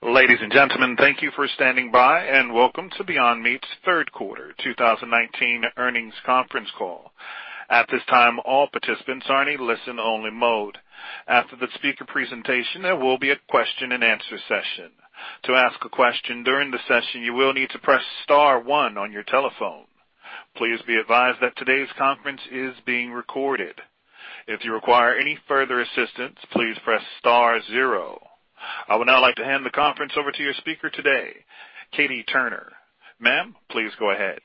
Ladies and gentlemen, thank you for standing by, and welcome to Beyond Meat's third quarter 2019 earnings conference call. At this time, all participants are in listen-only mode. After the speaker presentation, there will be a question and answer session. To ask a question during the session, you will need to press star one on your telephone. Please be advised that today's conference is being recorded. If you require any further assistance, please press star zero. I would now like to hand the conference over to your speaker today, Katie Turner. Ma'am, please go ahead.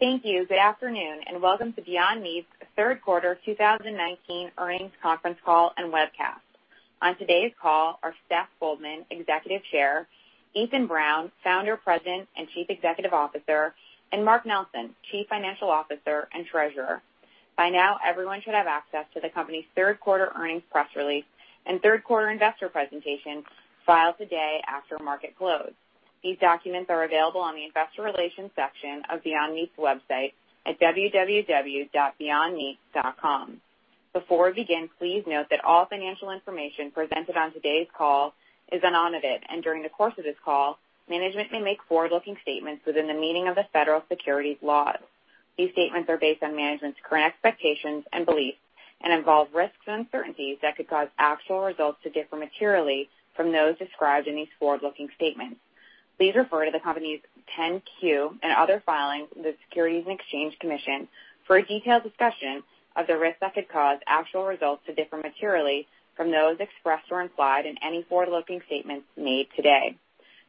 Thank you. Good afternoon and welcome to Beyond Meat's third quarter 2019 earnings conference call and webcast. On today's call are Seth Goldman, Executive Chair, Ethan Brown, Founder, President, and Chief Executive Officer, and Mark Nelson, Chief Financial Officer and Treasurer. By now, everyone should have access to the company's third quarter earnings press release and third-quarter investor presentation filed today after market close. These documents are available on the investor relations section of Beyond Meat's website at www.beyondmeat.com. Before we begin, please note that all financial information presented on today's call is unaudited, and during the course of this call, management may make forward-looking statements within the meaning of the federal securities laws. These statements are based on management's current expectations and beliefs and involve risks and uncertainties that could cause actual results to differ materially from those described in these forward-looking statements. Please refer to the company's 10-Q and other filings with the Securities and Exchange Commission for a detailed discussion of the risks that could cause actual results to differ materially from those expressed or implied in any forward-looking statements made today.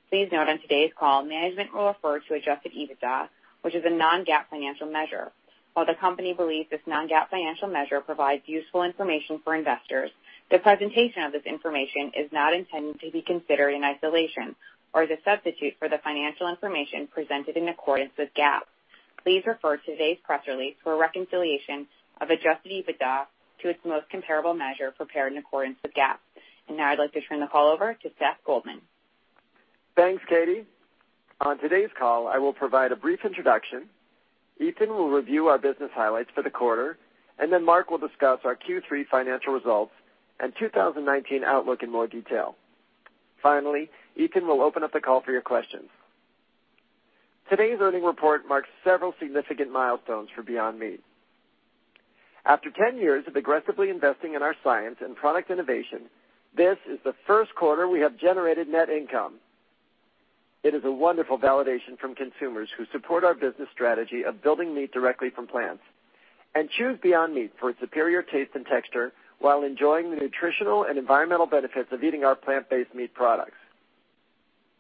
Please note on today's call, management will refer to adjusted EBITDA, which is a non-GAAP financial measure. While the company believes this non-GAAP financial measure provides useful information for investors, the presentation of this information is not intended to be considered in isolation or as a substitute for the financial information presented in accordance with GAAP. Please refer to today's press release for a reconciliation of adjusted EBITDA to its most comparable measure prepared in accordance with GAAP. Now I'd like to turn the call over to Seth Goldman. Thanks, Katie. On today's call, I will provide a brief introduction. Ethan will review our business highlights for the quarter. Mark will discuss our Q3 financial results and 2019 outlook in more detail. Ethan will open up the call for your questions. Today's earnings report marks several significant milestones for Beyond Meat. After 10 years of aggressively investing in our science and product innovation, this is the first quarter we have generated net income. It is a wonderful validation from consumers who support our business strategy of building meat directly from plants and choose Beyond Meat for its superior taste and texture while enjoying the nutritional and environmental benefits of eating our plant-based meat products.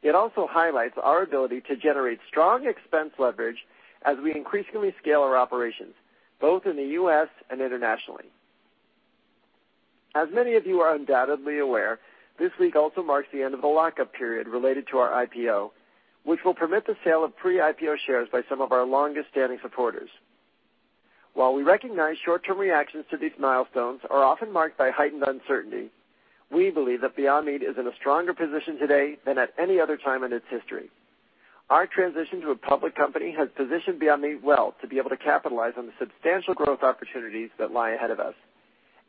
It also highlights our ability to generate strong expense leverage as we increasingly scale our operations both in the U.S. and internationally. As many of you are undoubtedly aware, this week also marks the end of the lockup period related to our IPO, which will permit the sale of pre-IPO shares by some of our longest-standing supporters. While we recognize short-term reactions to these milestones are often marked by heightened uncertainty, we believe that Beyond Meat is in a stronger position today than at any other time in its history. Our transition to a public company has positioned Beyond Meat well to be able to capitalize on the substantial growth opportunities that lie ahead of us,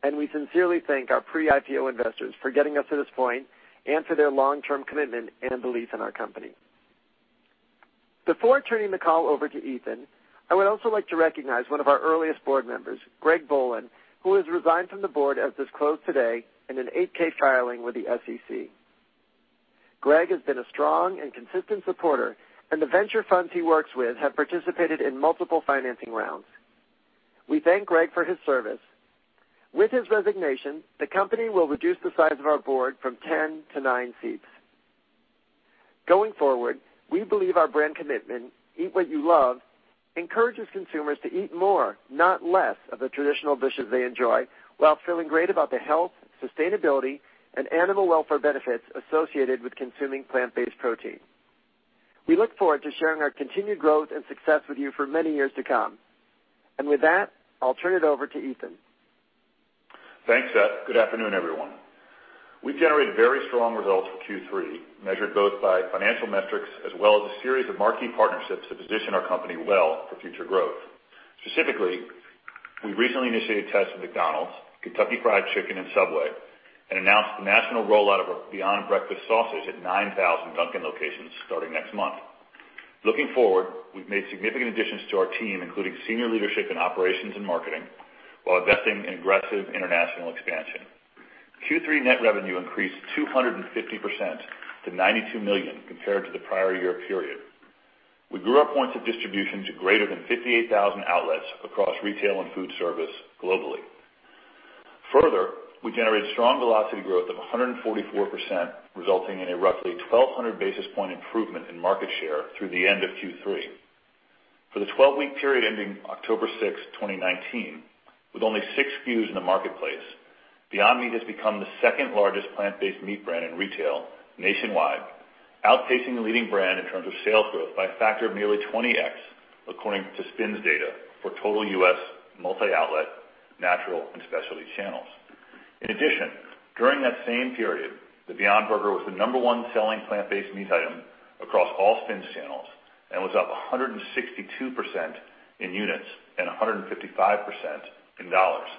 and we sincerely thank our pre-IPO investors for getting us to this point and for their long-term commitment and belief in our company. Before turning the call over to Ethan, I would also like to recognize one of our earliest board members, Greg Bolan, who has resigned from the board as disclosed today in an 8-K filing with the SEC. Greg has been a strong and consistent supporter, and the venture funds he works with have participated in multiple financing rounds. We thank Greg for his service. With his resignation, the company will reduce the size of our board from 10 to nine seats. Going forward, we believe our brand commitment, "Eat What You Love," encourages consumers to eat more, not less, of the traditional dishes they enjoy while feeling great about the health, sustainability, and animal welfare benefits associated with consuming plant-based protein. We look forward to sharing our continued growth and success with you for many years to come. With that, I'll turn it over to Ethan. Thanks, Seth. Good afternoon, everyone. We generated very strong results for Q3, measured both by financial metrics as well as a series of marquee partnerships that position our company well for future growth. Specifically, we recently initiated tests with McDonald's, Kentucky Fried Chicken, and Subway and announced the national rollout of our Beyond Breakfast Sausage at 9,000 Dunkin' locations starting next month. Looking forward, we've made significant additions to our team, including senior leadership in operations and marketing, while investing in aggressive international expansion. Q3 net revenue increased 250% to $92 million compared to the prior year period. We grew our points of distribution to greater than 58,000 outlets across retail and food service globally. Further, we generated strong velocity growth of 144%, resulting in a roughly 1,200 basis point improvement in market share through the end of Q3. For the 12-week period ending October 6, 2019, with only six SKUs in the marketplace, Beyond Meat has become the second-largest plant-based meat brand in retail nationwide, outpacing the leading brand in terms of sales growth by a factor of nearly 20x according to SPINS Data for total U.S. multi-outlet natural and specialty channels. In addition, during that same period, the Beyond Burger was the number one selling plant-based meat item across all SPINS channels. It was up 162% in units and 155% in dollars.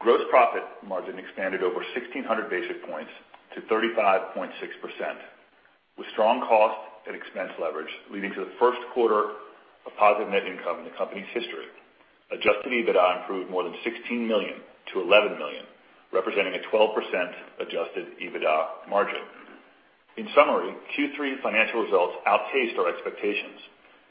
Gross profit margin expanded over 1,600 basis points to 35.6%, with strong cost and expense leverage leading to the first quarter of positive net income in the company's history. Adjusted EBITDA improved more than $16 million to $11 million, representing a 12% adjusted EBITDA margin. In summary, Q3 financial results outpaced our expectations.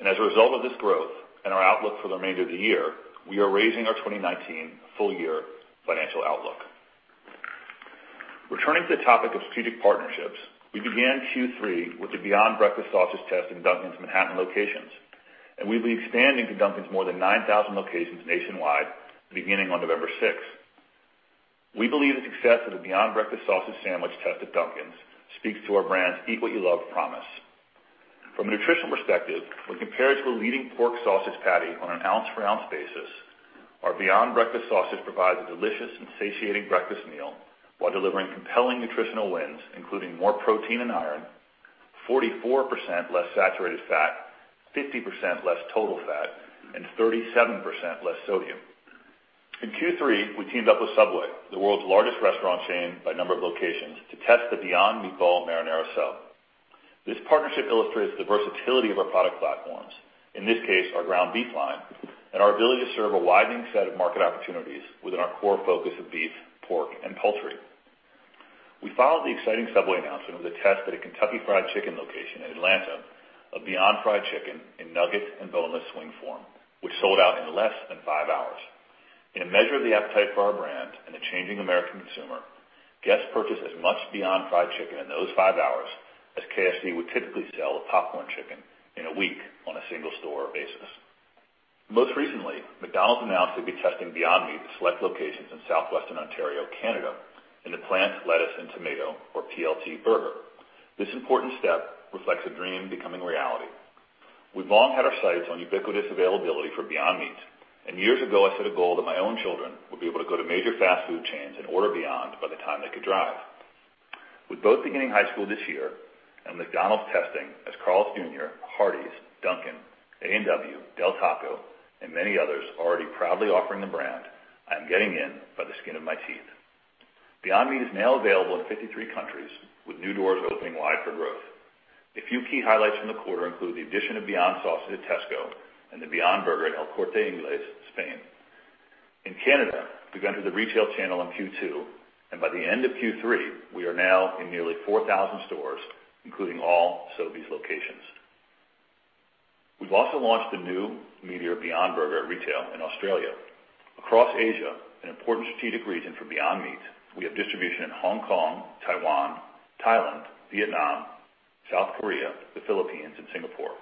As a result of this growth and our outlook for the remainder of the year, we are raising our 2019 full-year financial outlook. Returning to the topic of strategic partnerships, we began Q3 with the Beyond Breakfast Sausage test in Dunkin's Manhattan locations, and we'll be expanding to Dunkin's more than 9,000 locations nationwide beginning on November 6th. We believe the success of the Beyond Breakfast Sausage Sandwich test at Dunkin' speaks to our brand's Eat What You Love promise. From a nutrition perspective, when compared to a leading pork sausage patty on an ounce for ounce basis, our Beyond Breakfast Sausage provides a delicious and satiating breakfast meal while delivering compelling nutritional wins, including more protein and iron, 44% less saturated fat, 50% less total fat, and 37% less sodium. In Q3, we teamed up with Subway, the world's largest restaurant chain by number of locations, to test the Beyond Meatball Marinara Sub. This partnership illustrates the versatility of our product platforms, in this case, our ground beef line, and our ability to serve a widening set of market opportunities within our core focus of beef, pork, and poultry. We followed the exciting Subway announcement with a test at a Kentucky Fried Chicken location in Atlanta of Beyond Fried Chicken in nugget and boneless wing form, which sold out in less than five hours. In a measure of the appetite for our brand and the changing American consumer, guests purchased as much Beyond Fried Chicken in those five hours as KFC would typically sell of popcorn chicken in a week on a single store basis. Most recently, McDonald's announced they'd be testing Beyond Meat at select locations in southwestern Ontario, Canada, in the Plant, Lettuce, and Tomato, or P.L.T. burger. This important step reflects a dream becoming reality. We've long had our sights on ubiquitous availability for Beyond Meat, and years ago, I set a goal that my own children would be able to go to major fast food chains and order Beyond by the time they could drive. With both beginning high school this year and McDonald's testing, as Carl's Jr., Hardee's, Dunkin', A&W, Del Taco, and many others already proudly offering the brand, I am getting in by the skin of my teeth. Beyond Meat is now available in 53 countries, with new doors opening wide for growth. A few key highlights from the quarter include the addition of Beyond Sausage at Tesco and the Beyond Burger at El Corte Inglés, Spain. In Canada, we've entered the retail channel in Q2. By the end of Q3, we are now in nearly 4,000 stores, including all Sobeys locations. We've also launched the new meatier Beyond Burger at retail in Australia. Across Asia, an important strategic region for Beyond Meat, we have distribution in Hong Kong, Taiwan, Thailand, Vietnam, South Korea, the Philippines, and Singapore.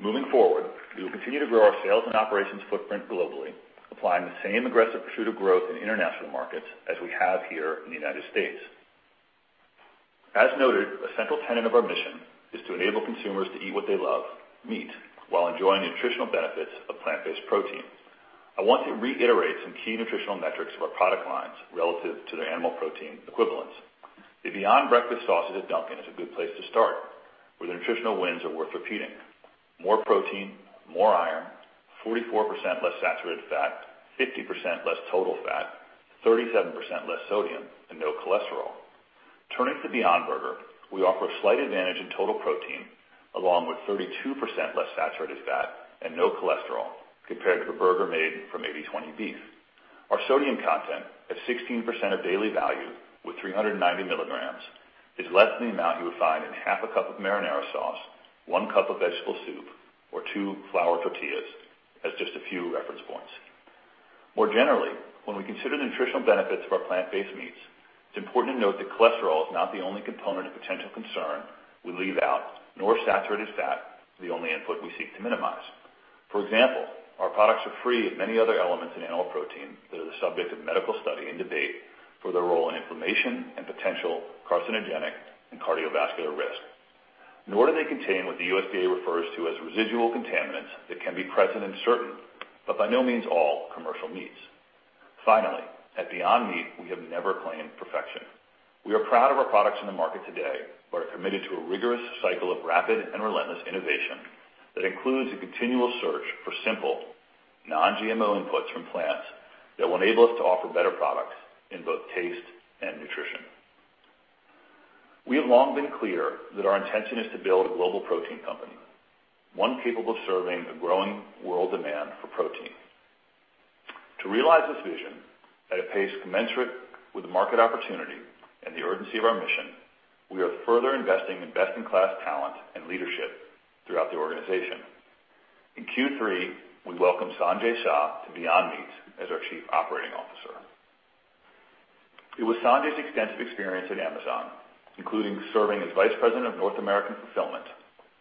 Moving forward, we will continue to grow our sales and operations footprint globally, applying the same aggressive pursuit of growth in international markets as we have here in the United States. As noted, a central tenet of our mission is to enable consumers to eat what they love, meat, while enjoying the nutritional benefits of plant-based protein. I want to reiterate some key nutritional metrics of our product lines relative to their animal protein equivalents. The Beyond Breakfast Sausage at Dunkin' is a good place to start, where the nutritional wins are worth repeating. More protein, more iron, 44% less saturated fat, 50% less total fat, 37% less sodium, and no cholesterol. Turning to Beyond Burger, we offer a slight advantage in total protein, along with 32% less saturated fat and no cholesterol compared to a burger made from 80/20 beef. Our sodium content, at 16% of daily value with 390 milligrams, is less than the amount you would find in half a cup of marinara sauce, one cup of vegetable soup, or two flour tortillas as just a few reference points. More generally, when we consider the nutritional benefits of our plant-based meats, it's important to note that cholesterol is not the only component of potential concern we leave out, nor saturated fat the only input we seek to minimize. For example, our products are free of many other elements in animal protein that are the subject of medical study and debate for their role in inflammation and potential carcinogenic and cardiovascular risk, nor do they contain what the USDA refers to as residual contaminants that can be present in certain, but by no means all, commercial meats. Finally, at Beyond Meat, we have never claimed perfection. We are proud of our products in the market today but are committed to a rigorous cycle of rapid and relentless innovation that includes a continual search for simple, non-GMO inputs from plants that will enable us to offer better products in both taste and nutrition. We have long been clear that our intention is to build a global protein company, one capable of serving the growing world demand for protein. To realize this vision at a pace commensurate with the market opportunity and the urgency of our mission, we are further investing in best-in-class talent and leadership throughout the organization. In Q3, we welcomed Sanjay Shah to Beyond Meat as our Chief Operating Officer. It was Sanjay's extensive experience at Amazon, including serving as Vice President of North American fulfillment,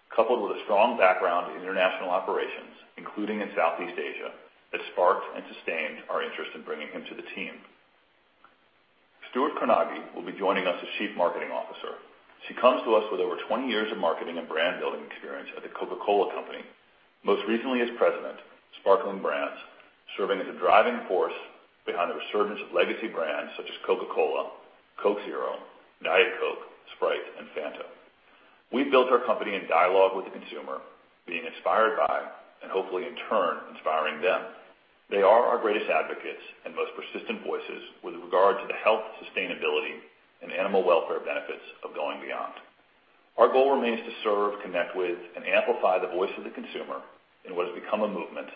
coupled with a strong background in international operations, including in Southeast Asia, that sparked and sustained our interest in bringing him to the team. Stuart Kronauge will be joining us as Chief Marketing Officer. She comes to us with over 20 years of marketing and brand-building experience at The Coca-Cola Company. Most recently as President, Sparkling Brands, serving as a driving force behind the resurgence of legacy brands such as Coca-Cola, Coke Zero, Diet Coke, Sprite, and Fanta. We built our company in dialogue with the consumer, being inspired by, and hopefully in turn, inspiring them. They are our greatest advocates and most persistent voices with regard to the health, sustainability, and animal welfare benefits of going Beyond. Our goal remains to serve, connect with, and amplify the voice of the consumer in what has become a movement.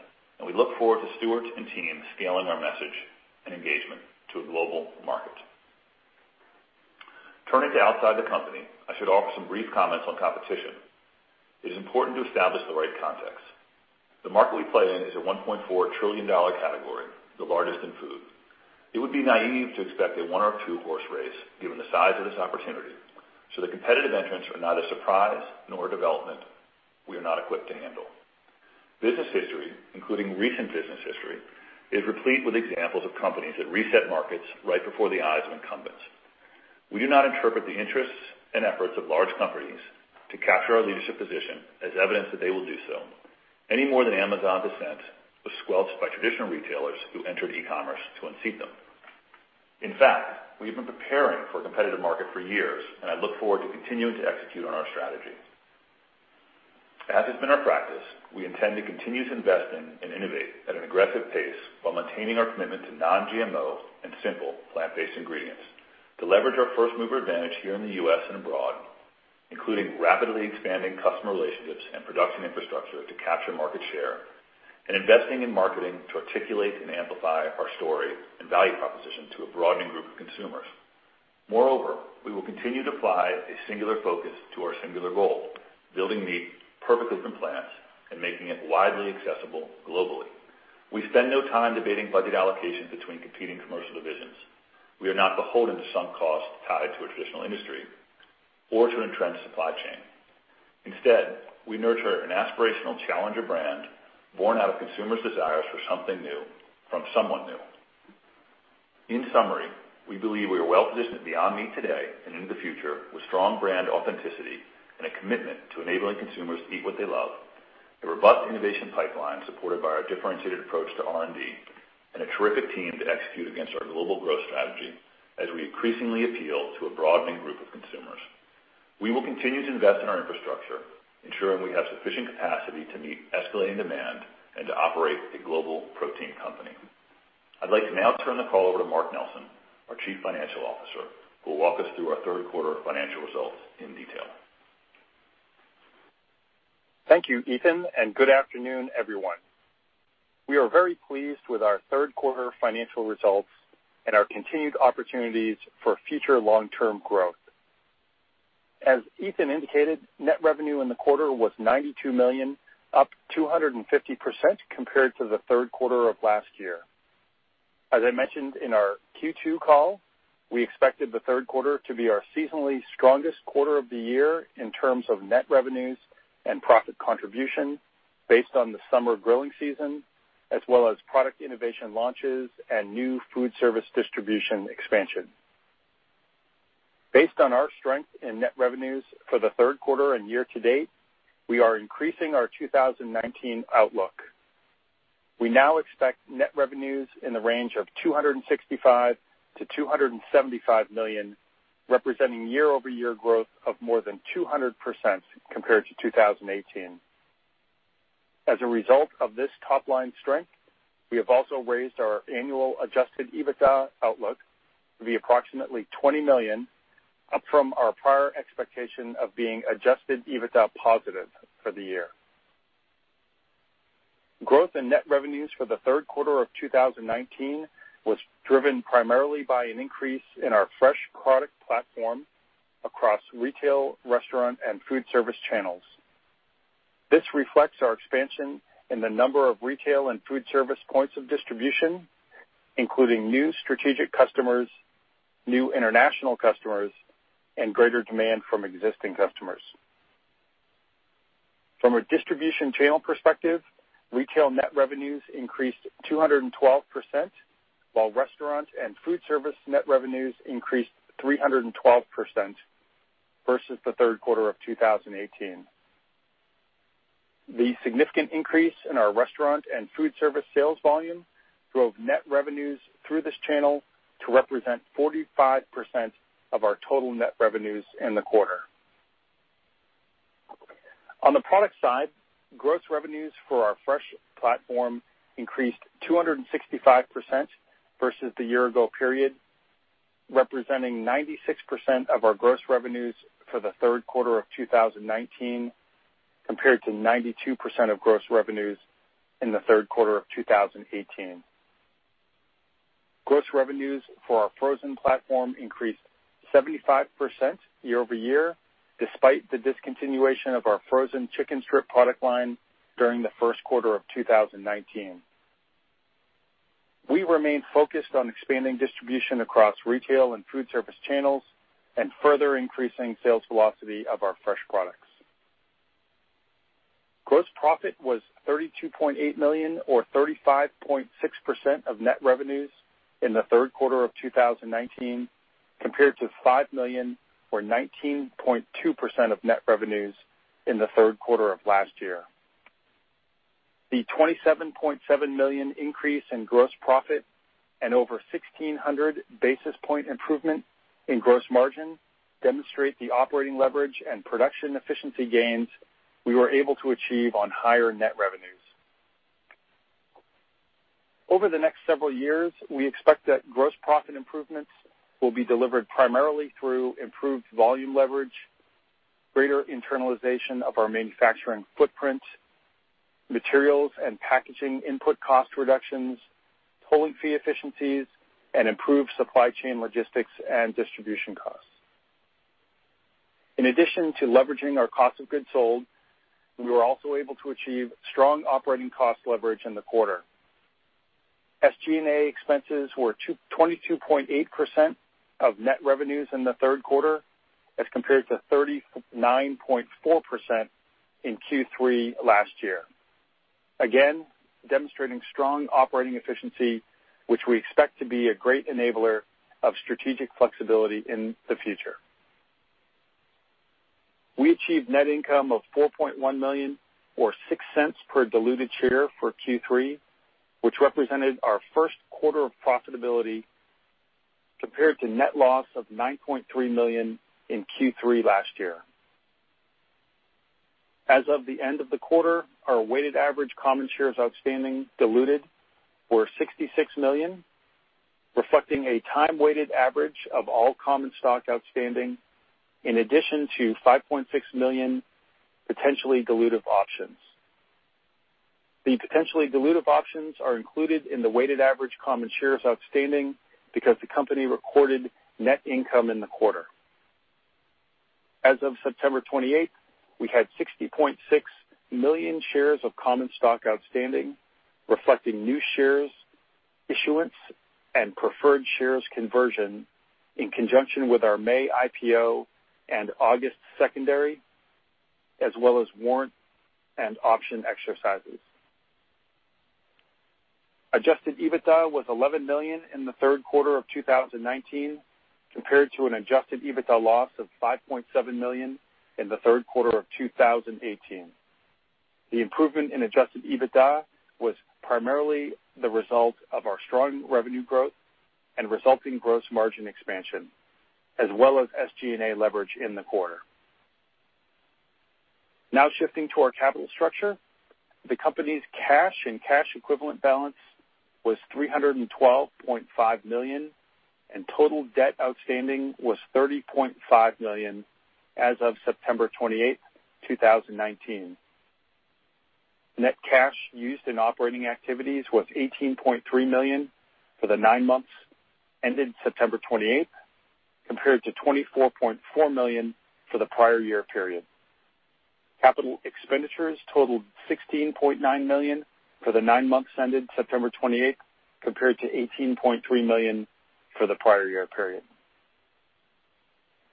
We look forward to Stuart and team scaling our message and engagement to a global market. Turning to outside the company, I should offer some brief comments on competition. It is important to establish the right context. The market we play in is a $1.4 trillion category, the largest in food. It would be naive to expect a one or two-horse race given the size of this opportunity. The competitive entrants are neither a surprise nor a development we are not equipped to handle. Business history, including recent business history, is replete with examples of companies that reset markets right before the eyes of incumbents. We do not interpret the interests and efforts of large companies to capture our leadership position as evidence that they will do so any more than Amazon's ascent was squelched by traditional retailers who entered e-commerce to unseat them. In fact, we have been preparing for a competitive market for years, and I look forward to continuing to execute on our strategy. As has been our practice, we intend to continue to invest in and innovate at an aggressive pace while maintaining our commitment to non-GMO and simple plant-based ingredients to leverage our first-mover advantage here in the U.S. and abroad, including rapidly expanding customer relationships and production infrastructure to capture market share and investing in marketing to articulate and amplify our story and value proposition to a broadening group of consumers. We will continue to apply a singular focus to our singular goal, building meat perfectly from plants and making it widely accessible globally. We spend no time debating budget allocations between competing commercial divisions. We are not beholden to sunk costs tied to a traditional industry or to entrenched supply chain. We nurture an aspirational challenger brand born out of consumers' desires for something new from someone new. In summary, we believe we are well-positioned at Beyond Meat today and into the future with strong brand authenticity and a commitment to enabling consumers to Eat What You Love, a robust innovation pipeline supported by our differentiated approach to R&D, and a terrific team to execute against our global growth strategy as we increasingly appeal to a broadening group of consumers. We will continue to invest in our infrastructure, ensuring we have sufficient capacity to meet escalating demand and to operate a global protein company. I'd like to now turn the call over to Mark Nelson, our Chief Financial Officer, who will walk us through our third quarter financial results in detail. Thank you, Ethan, and good afternoon, everyone. We are very pleased with our third quarter financial results and our continued opportunities for future long-term growth. As Ethan indicated, net revenue in the quarter was $92 million, up 250% compared to the third quarter of last year. As I mentioned in our Q2 call, we expected the third quarter to be our seasonally strongest quarter of the year in terms of net revenues and profit contribution based on the summer grilling season, as well as product innovation launches and new food service distribution expansion. Based on our strength in net revenues for the third quarter and year to date, we are increasing our 2019 outlook. We now expect net revenues in the range of $265 million-$275 million, representing year-over-year growth of more than 200% compared to 2018. As a result of this top-line strength, we have also raised our annual adjusted EBITDA outlook to be approximately $20 million, up from our prior expectation of being adjusted EBITDA positive for the year. Growth in net revenues for the third quarter of 2019 was driven primarily by an increase in our fresh product platform across retail, restaurant, and food service channels. This reflects our expansion in the number of retail and food service points of distribution, including new strategic customers, new international customers, and greater demand from existing customers. From a distribution channel perspective, retail net revenues increased 212%, while restaurant and food service net revenues increased 312% versus the third quarter of 2018. The significant increase in our restaurant and food service sales volume drove net revenues through this channel to represent 45% of our total net revenues in the quarter. On the product side, gross revenues for our fresh platform increased 265% versus the year ago period, representing 96% of our gross revenues for the third quarter of 2019, compared to 92% of gross revenues in the third quarter of 2018. Gross revenues for our frozen platform increased 75% year-over-year, despite the discontinuation of our frozen chicken strip product line during the first quarter of 2019. We remain focused on expanding distribution across retail and food service channels and further increasing sales velocity of our fresh products. Gross profit was $32.8 million or 35.6% of net revenues in the third quarter of 2019, compared to $5 million or 19.2% of net revenues in the third quarter of last year. The $27.7 million increase in gross profit and over 1,600 basis point improvement in gross margin demonstrate the operating leverage and production efficiency gains we were able to achieve on higher net revenues. Over the next several years, we expect that gross profit improvements will be delivered primarily through improved volume leverage, greater internalization of our manufacturing footprint, materials and packaging input cost reductions, tolling fee efficiencies, and improved supply chain logistics and distribution costs. In addition to leveraging our cost of goods sold, we were also able to achieve strong operating cost leverage in the quarter. SG&A expenses were 22.8% of net revenues in the third quarter as compared to 39.4% in Q3 last year. Again, demonstrating strong operating efficiency, which we expect to be a great enabler of strategic flexibility in the future. We achieved net income of $4.1 million or $0.06 per diluted share for Q3, which represented our first quarter of profitability compared to net loss of $9.3 million in Q3 last year. As of the end of the quarter, our weighted average common shares outstanding diluted were 66 million, reflecting a time-weighted average of all common stock outstanding, in addition to 5.6 million potentially dilutive options. The potentially dilutive options are included in the weighted average common shares outstanding because the company recorded net income in the quarter. As of September 28th, we had 60.6 million shares of common stock outstanding, reflecting new shares issuance and preferred shares conversion in conjunction with our May IPO and August secondary, as well as warrant and option exercises. Adjusted EBITDA was $11 million in the third quarter of 2019, compared to an adjusted EBITDA loss of $5.7 million in the third quarter of 2018. The improvement in adjusted EBITDA was primarily the result of our strong revenue growth and resulting gross margin expansion, as well as SG&A leverage in the quarter. Shifting to our capital structure. The company's cash and cash equivalent balance was $312.5 million, and total debt outstanding was $30.5 million as of September 28th, 2019. Net cash used in operating activities was $18.3 million for the nine months ended September 28th, compared to $24.4 million for the prior year period. Capital expenditures totaled $16.9 million for the nine months ended September 28th, compared to $18.3 million for the prior year period.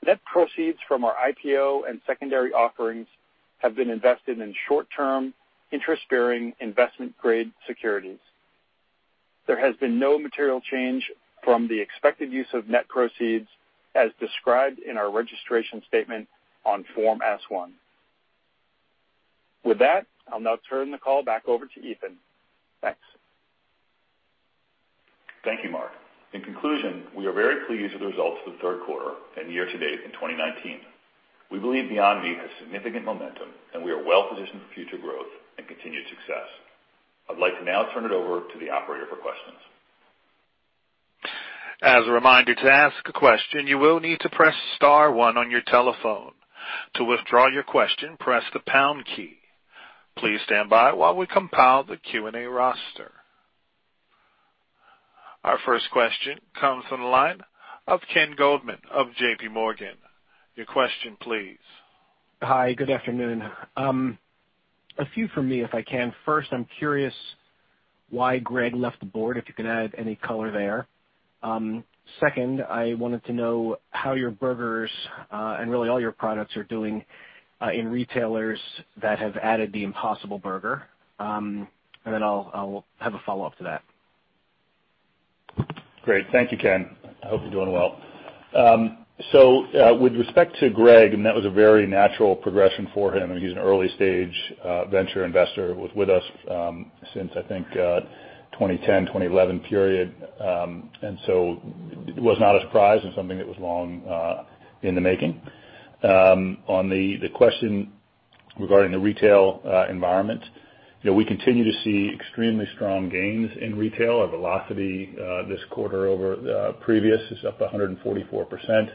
Net proceeds from our IPO and secondary offerings have been invested in short-term interest-bearing investment grade securities. There has been no material change from the expected use of net proceeds as described in our registration statement on Form S-1. With that, I'll now turn the call back over to Ethan. Thanks. Thank you, Mark. In conclusion, we are very pleased with the results of the third quarter and year to date in 2019. We believe Beyond Meat has significant momentum, and we are well-positioned for future growth and continued success. I'd like to now turn it over to the operator for questions. As a reminder, to ask a question, you will need to press star, one on your telephone. To withdraw your question, press the pound key. Please stand by while we compile the Q&A roster. Our first question comes from the line of Ken Goldman of JPMorgan. Your question please. Hi, good afternoon. A few from me, if I can. First, I'm curious why Greg left the board, if you could add any color there. Second, I wanted to know how your burgers, and really all your products, are doing in retailers that have added the Impossible Burger. I'll have a follow-up to that. Great. Thank you, Ken I hope you're doing well. With respect to Greg, that was a very natural progression for him. He's an early-stage venture investor, was with us since I think 2010, 2011 period. It was not a surprise and something that was long in the making. On the question regarding the retail environment, we continue to see extremely strong gains in retail. Our velocity this quarter over the previous is up 144%.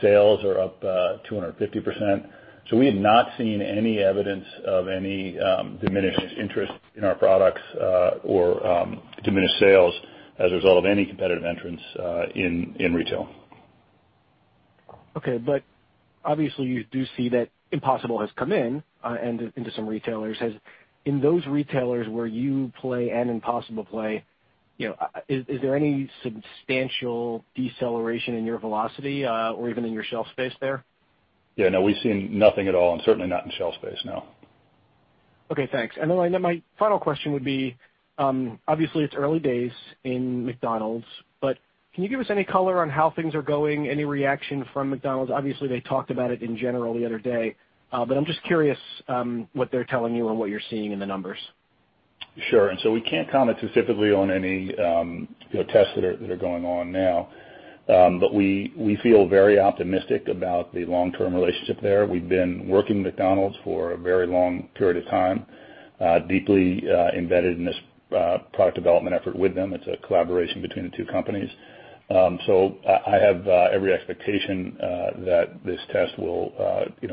Sales are up 250%. We have not seen any evidence of any diminished interest in our products or diminished sales as a result of any competitive entrants in retail. Okay. Obviously you do see that Impossible has come in into some retailers. In those retailers where you play and Impossible play, is there any substantial deceleration in your velocity or even in your shelf space there? Yeah, no, we've seen nothing at all and certainly not in shelf space, no. Okay, thanks. My final question would be, obviously it's early days in McDonald's, but can you give us any color on how things are going? Any reaction from McDonald's? Obviously, they talked about it in general the other day, but I'm just curious what they're telling you and what you're seeing in the numbers. Sure. We can't comment specifically on any tests that are going on now, but we feel very optimistic about the long-term relationship there. We've been working with McDonald's for a very long period of time, deeply embedded in this product development effort with them. It's a collaboration between the two companies. I have every expectation that this test will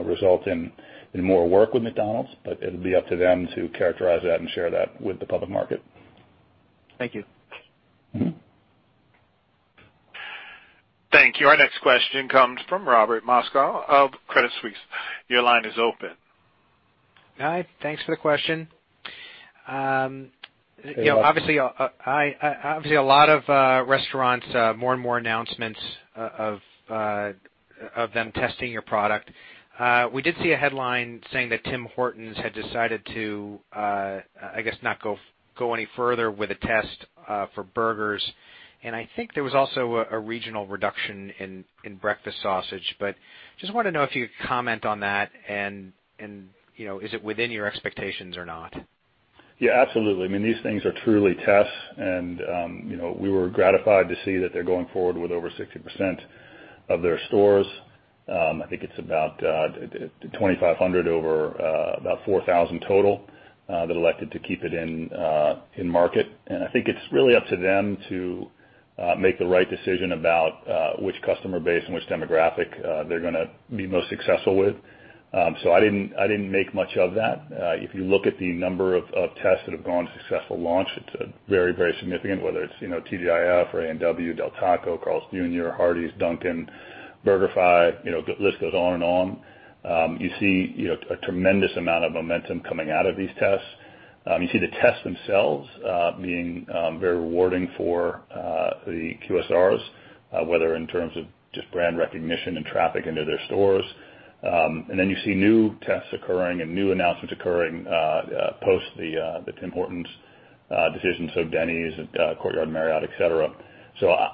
result in more work with McDonald's, but it'll be up to them to characterize that and share that with the public market. Thank you. Thank you. Our next question comes from Robert Moskow of Credit Suisse. Your line is open. Hi, thanks for the question. Hey, Robert. Obviously, a lot of restaurants, more and more announcements of them testing your product. We did see a headline saying that Tim Hortons had decided to, I guess, not go any further with a test for burgers, and I think there was also a regional reduction in breakfast sausage. We just want to know if you could comment on that, and is it within your expectations or not? Yeah, absolutely. These things are truly tests and we were gratified to see that they're going forward with over 60% of their stores. I think it's about 2,500 over about 4,000 total, that elected to keep it in market. I think it's really up to them to make the right decision about which customer base and which demographic they're gonna be most successful with. I didn't make much of that. If you look at the number of tests that have gone to successful launch, it's very, very significant, whether it's TGI Fridays or A&W, Del Taco, Carl's Jr., Hardee's, Dunkin', BurgerFi, the list goes on and on. You see a tremendous amount of momentum coming out of these tests. You see the tests themselves being very rewarding for the QSRs, whether in terms of just brand recognition and traffic into their stores. You see new tests occurring and new announcements occurring post the Tim Hortons decision. Denny's, Courtyard Marriott, et cetera.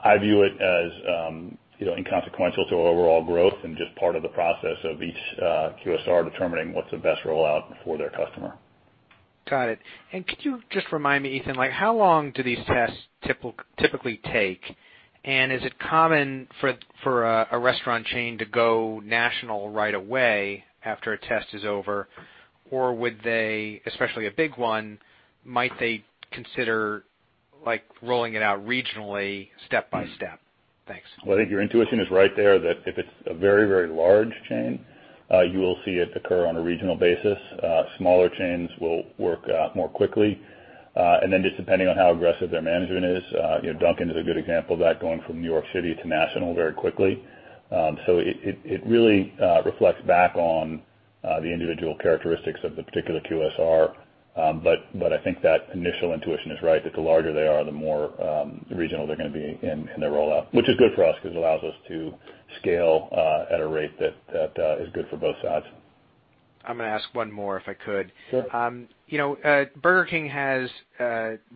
I view it as inconsequential to our overall growth and just part of the process of each QSR determining what's the best rollout for their customer. Got it. Could you just remind me, Ethan, how long do these tests typically take? Is it common for a restaurant chain to go national right away after a test is over? Would they, especially a big one, might they consider rolling it out regionally step by step? Thanks. I think your intuition is right there, that if it's a very, very large chain, you will see it occur on a regional basis. Smaller chains will work out more quickly. Just depending on how aggressive their management is. Dunkin' is a good example of that, going from New York City to national very quickly. It really reflects back on the individual characteristics of the particular QSR. I think that initial intuition is right, that the larger they are, the more regional they're gonna be in the rollout. Which is good for us because it allows us to scale at a rate that is good for both sides. I'm gonna ask one more if I could. Sure. Burger King has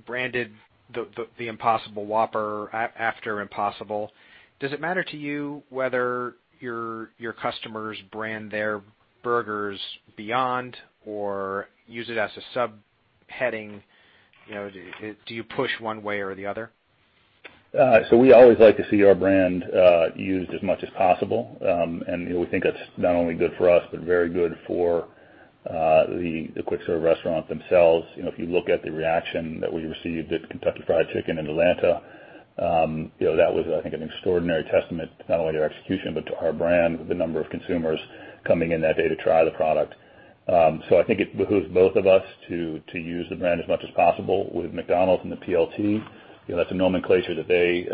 branded the Impossible Whopper after Impossible. Does it matter to you whether your customers brand their burgers Beyond or use it as a subheading? Do you push one way or the other? We always like to see our brand used as much as possible, and we think that's not only good for us, but very good for the quick serve restaurants themselves. If you look at the reaction that we received at Kentucky Fried Chicken in Atlanta, that was, I think, an extraordinary testament to not only their execution, but to our brand, with the number of consumers coming in that day to try the product. I think it behooves both of us to use the brand as much as possible. With McDonald's and the P.L.T., that's a nomenclature that they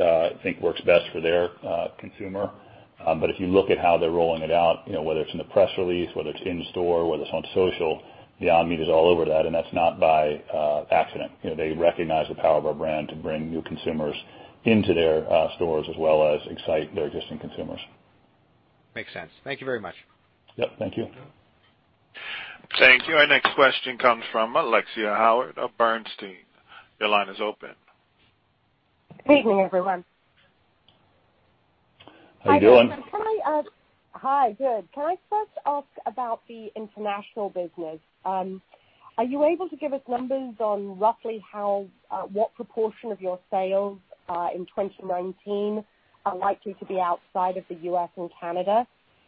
think works best for their consumer. If you look at how they're rolling it out, whether it's in the press release, whether it's in store, whether it's on social, Beyond Meat is all over that, and that's not by accident. They recognize the power of our brand to bring new consumers into their stores as well as excite their existing consumers. Makes sense. Thank you very much. Yep, thank you. Thank you. Our next question comes from Alexia Howard of Bernstein. Your line is open. Good evening, everyone. How are you doing? Hi, good. Can I first ask about the international business? Are you able to give us numbers on roughly what proportion of your sales in 2019 are likely to be outside of the U.S. and Canada?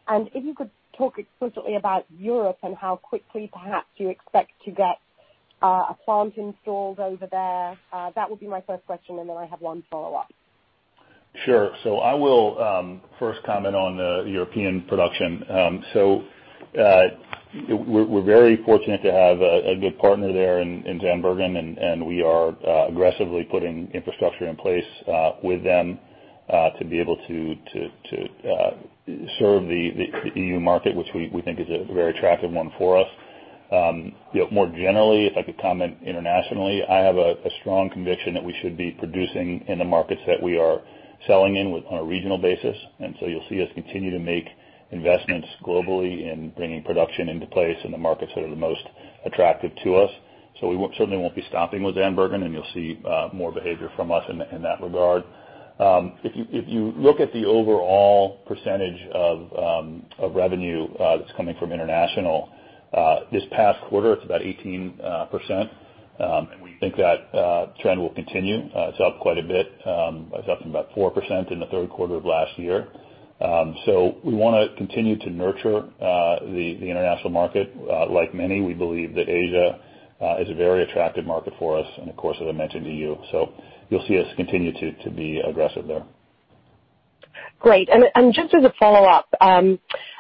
If you could talk explicitly about Europe and how quickly, perhaps, you expect to get a plant installed over there. That would be my first question, and then I have one follow-up. Sure. I will first comment on the European production. We're very fortunate to have a good partner there in Zandbergen, and we are aggressively putting infrastructure in place with them to be able to serve the EU market, which we think is a very attractive one for us. More generally, if I could comment internationally, I have a strong conviction that we should be producing in the markets that we are selling in on a regional basis. You'll see us continue to make investments globally in bringing production into place in the markets that are the most attractive to us. We certainly won't be stopping with Zandbergen, and you'll see more behavior from us in that regard. If you look at the overall percentage of revenue that's coming from international, this past quarter, it's about 18%, and we think that trend will continue. It's up quite a bit. It's up from about 4% in the third quarter of last year, so we want to continue to nurture the international market. Like many, we believe that Asia is a very attractive market for us and of course, as I mentioned, EU. You'll see us continue to be aggressive there. Great. Just as a follow-up,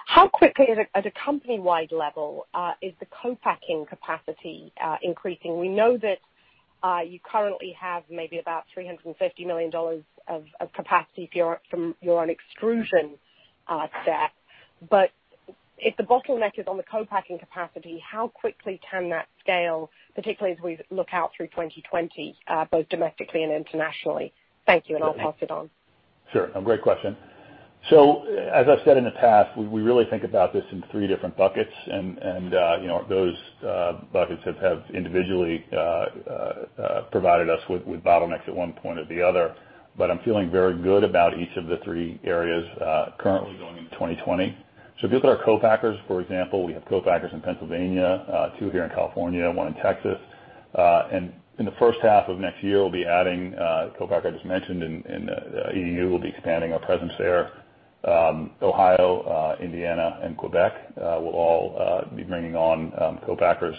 how quickly at a company-wide level is the co-packing capacity increasing? We know that you currently have maybe about $350 million of capacity from your own extrusion set, but if the bottleneck is on the co-packing capacity, how quickly can that scale, particularly as we look out through 2020, both domestically and internationally? Thank you, and I'll pass it on. Sure. No, great question. As I've said in the past, we really think about this in three different buckets and those buckets have individually provided us with bottlenecks at one point or the other. I'm feeling very good about each of the three areas currently going into 2020. If you look at our co-packers, for example, we have co-packers in Pennsylvania, two here in California, one in Texas. In the first half of next year, we'll be adding a co-packer I just mentioned in the EU. We'll be expanding our presence there. Ohio, Indiana, and Quebec will all be bringing on co-packers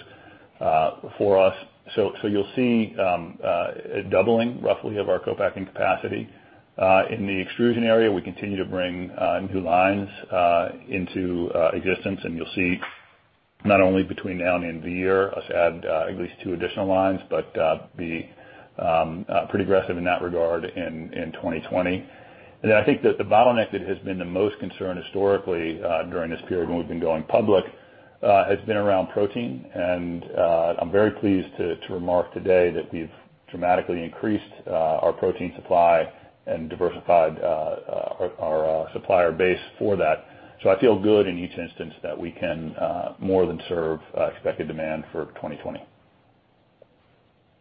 for us. You'll see a doubling, roughly, of our co-packing capacity. In the extrusion area, we continue to bring new lines into existence, and you'll see not only between now and the end of the year, us add at least two additional lines, but be pretty aggressive in that regard in 2020. I think that the bottleneck that has been the most concern historically during this period when we've been going public, has been around protein. I'm very pleased to remark today that we've dramatically increased our protein supply and diversified our supplier base for that. I feel good in each instance that we can more than serve expected demand for 2020.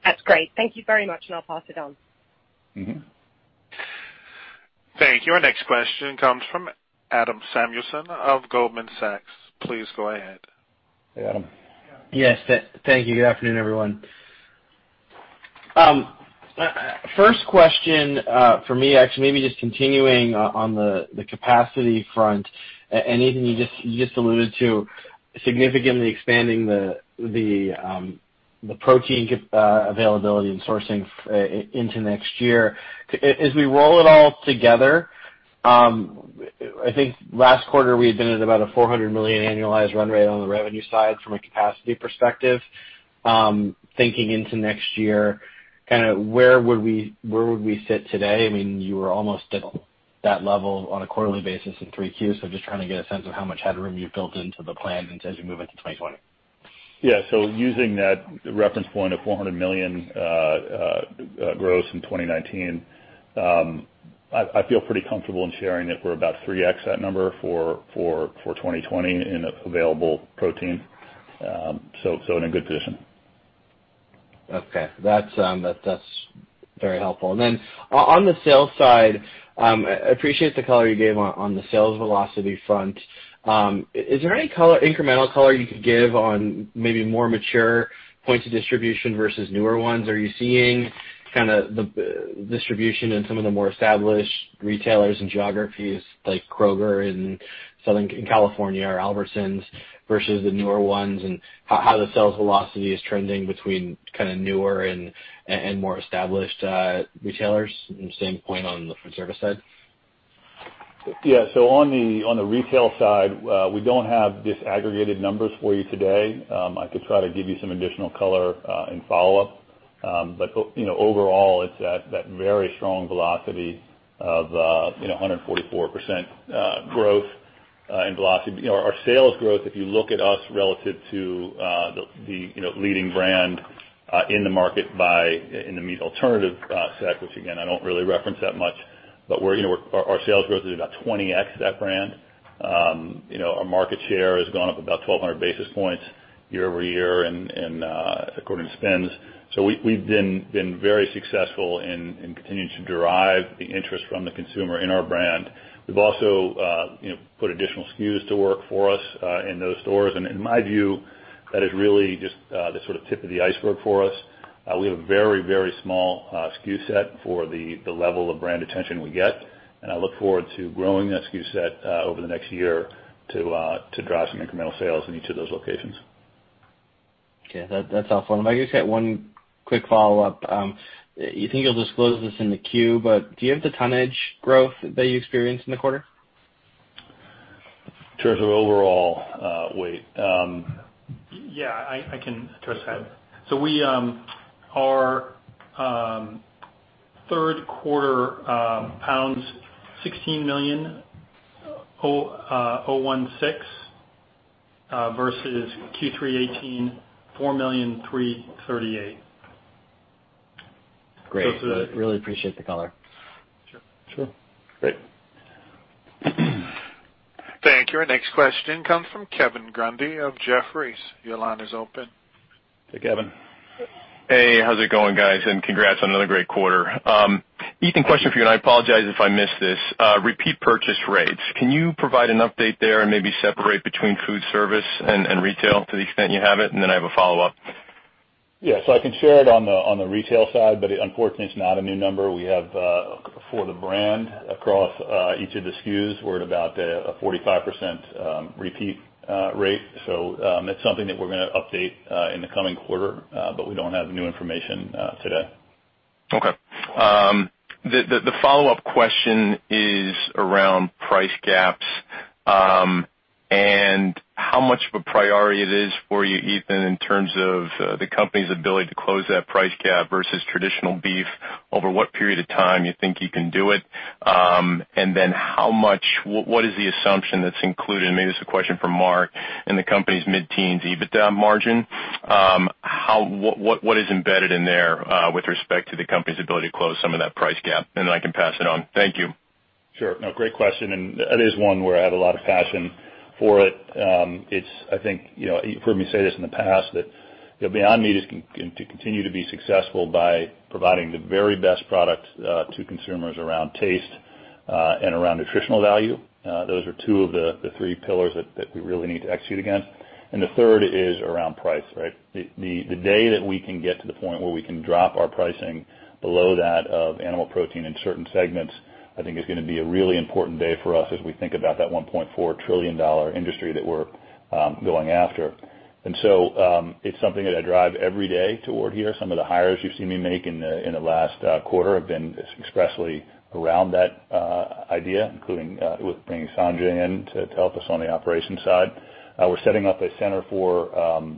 That's great. Thank you very much, I'll pass it on. Thank you. Our next question comes from Adam Samuelson of Goldman Sachs. Please go ahead. Hey, Adam. Yes, thank you. Good afternoon, everyone. First question for me, actually, maybe just continuing on the capacity front and even you just alluded to significantly expanding the protein availability and sourcing into next year. We roll it all together, I think last quarter we had been at about a $400 million annualized run rate on the revenue side from a capacity perspective. Thinking into next year, where would we sit today? You were almost at that level on a quarterly basis in three Qs, just trying to get a sense of how much headroom you've built into the plan as you move into 2020. Yeah. Using that reference point of $400 million gross in 2019, I feel pretty comfortable in sharing that we're about 3x that number for 2020 in available protein. In a good position. Okay. That's very helpful. Then on the sales side, I appreciate the color you gave on the sales velocity front. Is there any incremental color you could give on maybe more mature points of distribution versus newer ones? Are you seeing the distribution in some of the more established retailers and geographies like Kroger in Southern California or Albertsons versus the newer ones, and how the sales velocity is trending between newer and more established retailers from the same point on the food service side? On the retail side, we don't have disaggregated numbers for you today. I could try to give you some additional color in follow-up. Overall, it's that very strong velocity of 144% growth in velocity. Our sales growth, if you look at us relative to the leading brand in the market in the meat alternative set, which again, I don't really reference that much, but our sales growth is about 20x that brand. Our market share has gone up about 1,200 basis points year-over-year according to SPINS. We've been very successful in continuing to derive the interest from the consumer in our brand. We've also put additional SKUs to work for us in those stores, and in my view, that is really just the tip of the iceberg for us. We have a very, very small SKU set for the level of brand attention we get, and I look forward to growing that SKU set over the next year to drive some incremental sales in each of those locations. Okay. That's helpful. I just had one quick follow-up. You think you'll disclose this in the Q, but do you have the tonnage growth that you experienced in the quarter? In terms of overall weight? Yeah, I can address that. Our third quarter pounds, 16,000,016 versus Q3 2018, 4,000,338. Great. Really appreciate the color. Sure. Sure. Great. Thank you. Our next question comes from Kevin Grundy of Jefferies. Your line is open. Hey, Kevin. Hey, how's it going, guys? Congrats on another great quarter. Ethan, question for you. I apologize if I missed this. Repeat purchase rates, can you provide an update there and maybe separate between food service and retail to the extent you have it? I have a follow-up. Yeah. I can share it on the retail side, but unfortunately, it's not a new number we have for the brand across each of the SKUs. We're at about a 45% repeat rate. It's something that we're going to update in the coming quarter, but we don't have new information today. Okay. The follow-up question is around price gaps, and how much of a priority it is for you, Ethan, in terms of the company's ability to close that price gap versus traditional beef, over what period of time you think you can do it, and then what is the assumption that's included, and maybe this is a question for Mark, in the company's mid-teens EBITDA margin? What is embedded in there with respect to the company's ability to close some of that price gap? I can pass it on. Thank you. Sure. No, great question, and that is one where I have a lot of passion for it. You've heard me say this in the past, that Beyond Meat is going to continue to be successful by providing the very best product to consumers around taste and around nutritional value. Those are two of the three pillars that we really need to execute against. The third is around price, right? The day that we can get to the point where we can drop our pricing below that of animal protein in certain segments, I think, is going to be a really important day for us as we think about that $1.4 trillion industry that we're going after. It's something that I drive every day toward here. Some of the hires you've seen me make in the last quarter have been expressly around that idea, including with bringing Sanjay in to help us on the operations side. We're setting up a center for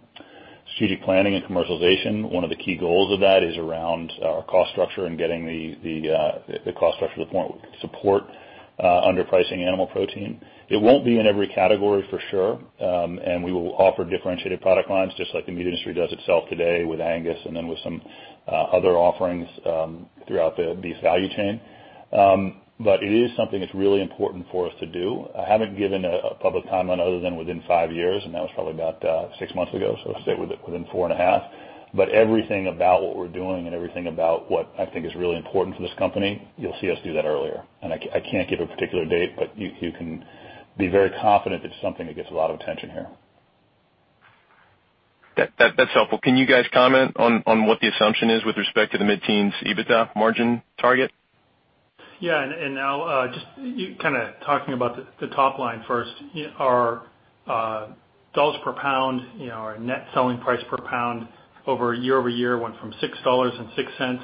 strategic planning and commercialization. One of the key goals of that is around our cost structure and getting the cost structure to the point where we can support underpricing animal protein. It won't be in every category for sure. We will offer differentiated product lines just like the meat industry does itself today with Angus and then with some other offerings throughout the beef value chain. But it is something that's really important for us to do. I haven't given a public timeline other than within five years, and that was probably about six months ago, so let's say within four and a half. Everything about what we're doing and everything about what I think is really important for this company, you'll see us do that earlier. I can't give a particular date, but you can be very confident it's something that gets a lot of attention here. That's helpful. Can you guys comment on what the assumption is with respect to the mid-teens EBITDA margin target? Yeah. I'll, just talking about the top line first. Our dollars per pound, our net selling price per pound year-over-year went from $6.06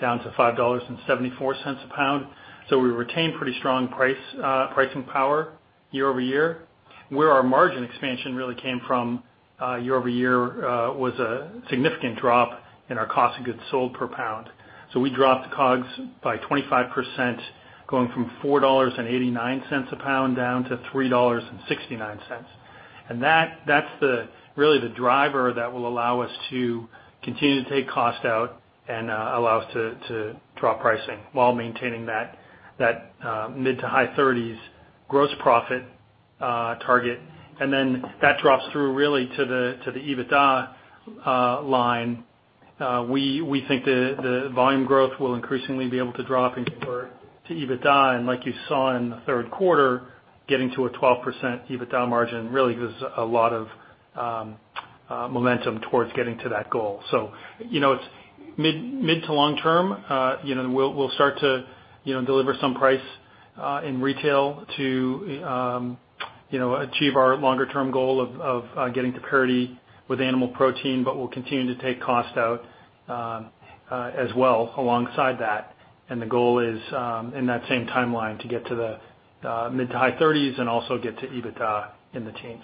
down to $5.74 a pound. We retained pretty strong pricing power year-over-year. Where our margin expansion really came from year-over-year was a significant drop in our cost of goods sold per pound. We dropped COGS by 25%, going from $4.89 a pound down to $3.69. That's really the driver that will allow us to continue to take cost out and allow us to drop pricing while maintaining that mid to high 30s gross profit target. That drops through really to the EBITDA line. We think the volume growth will increasingly be able to drop in quarter to EBITDA. Like you saw in the third quarter, getting to a 12% EBITDA margin really gives a lot of momentum towards getting to that goal. It's mid to long term. We'll start to deliver some price in retail to achieve our longer term goal of getting to parity with animal protein. We'll continue to take cost out as well alongside that. The goal is, in that same timeline, to get to the mid to high 30s% and also get to EBITDA in the teens%.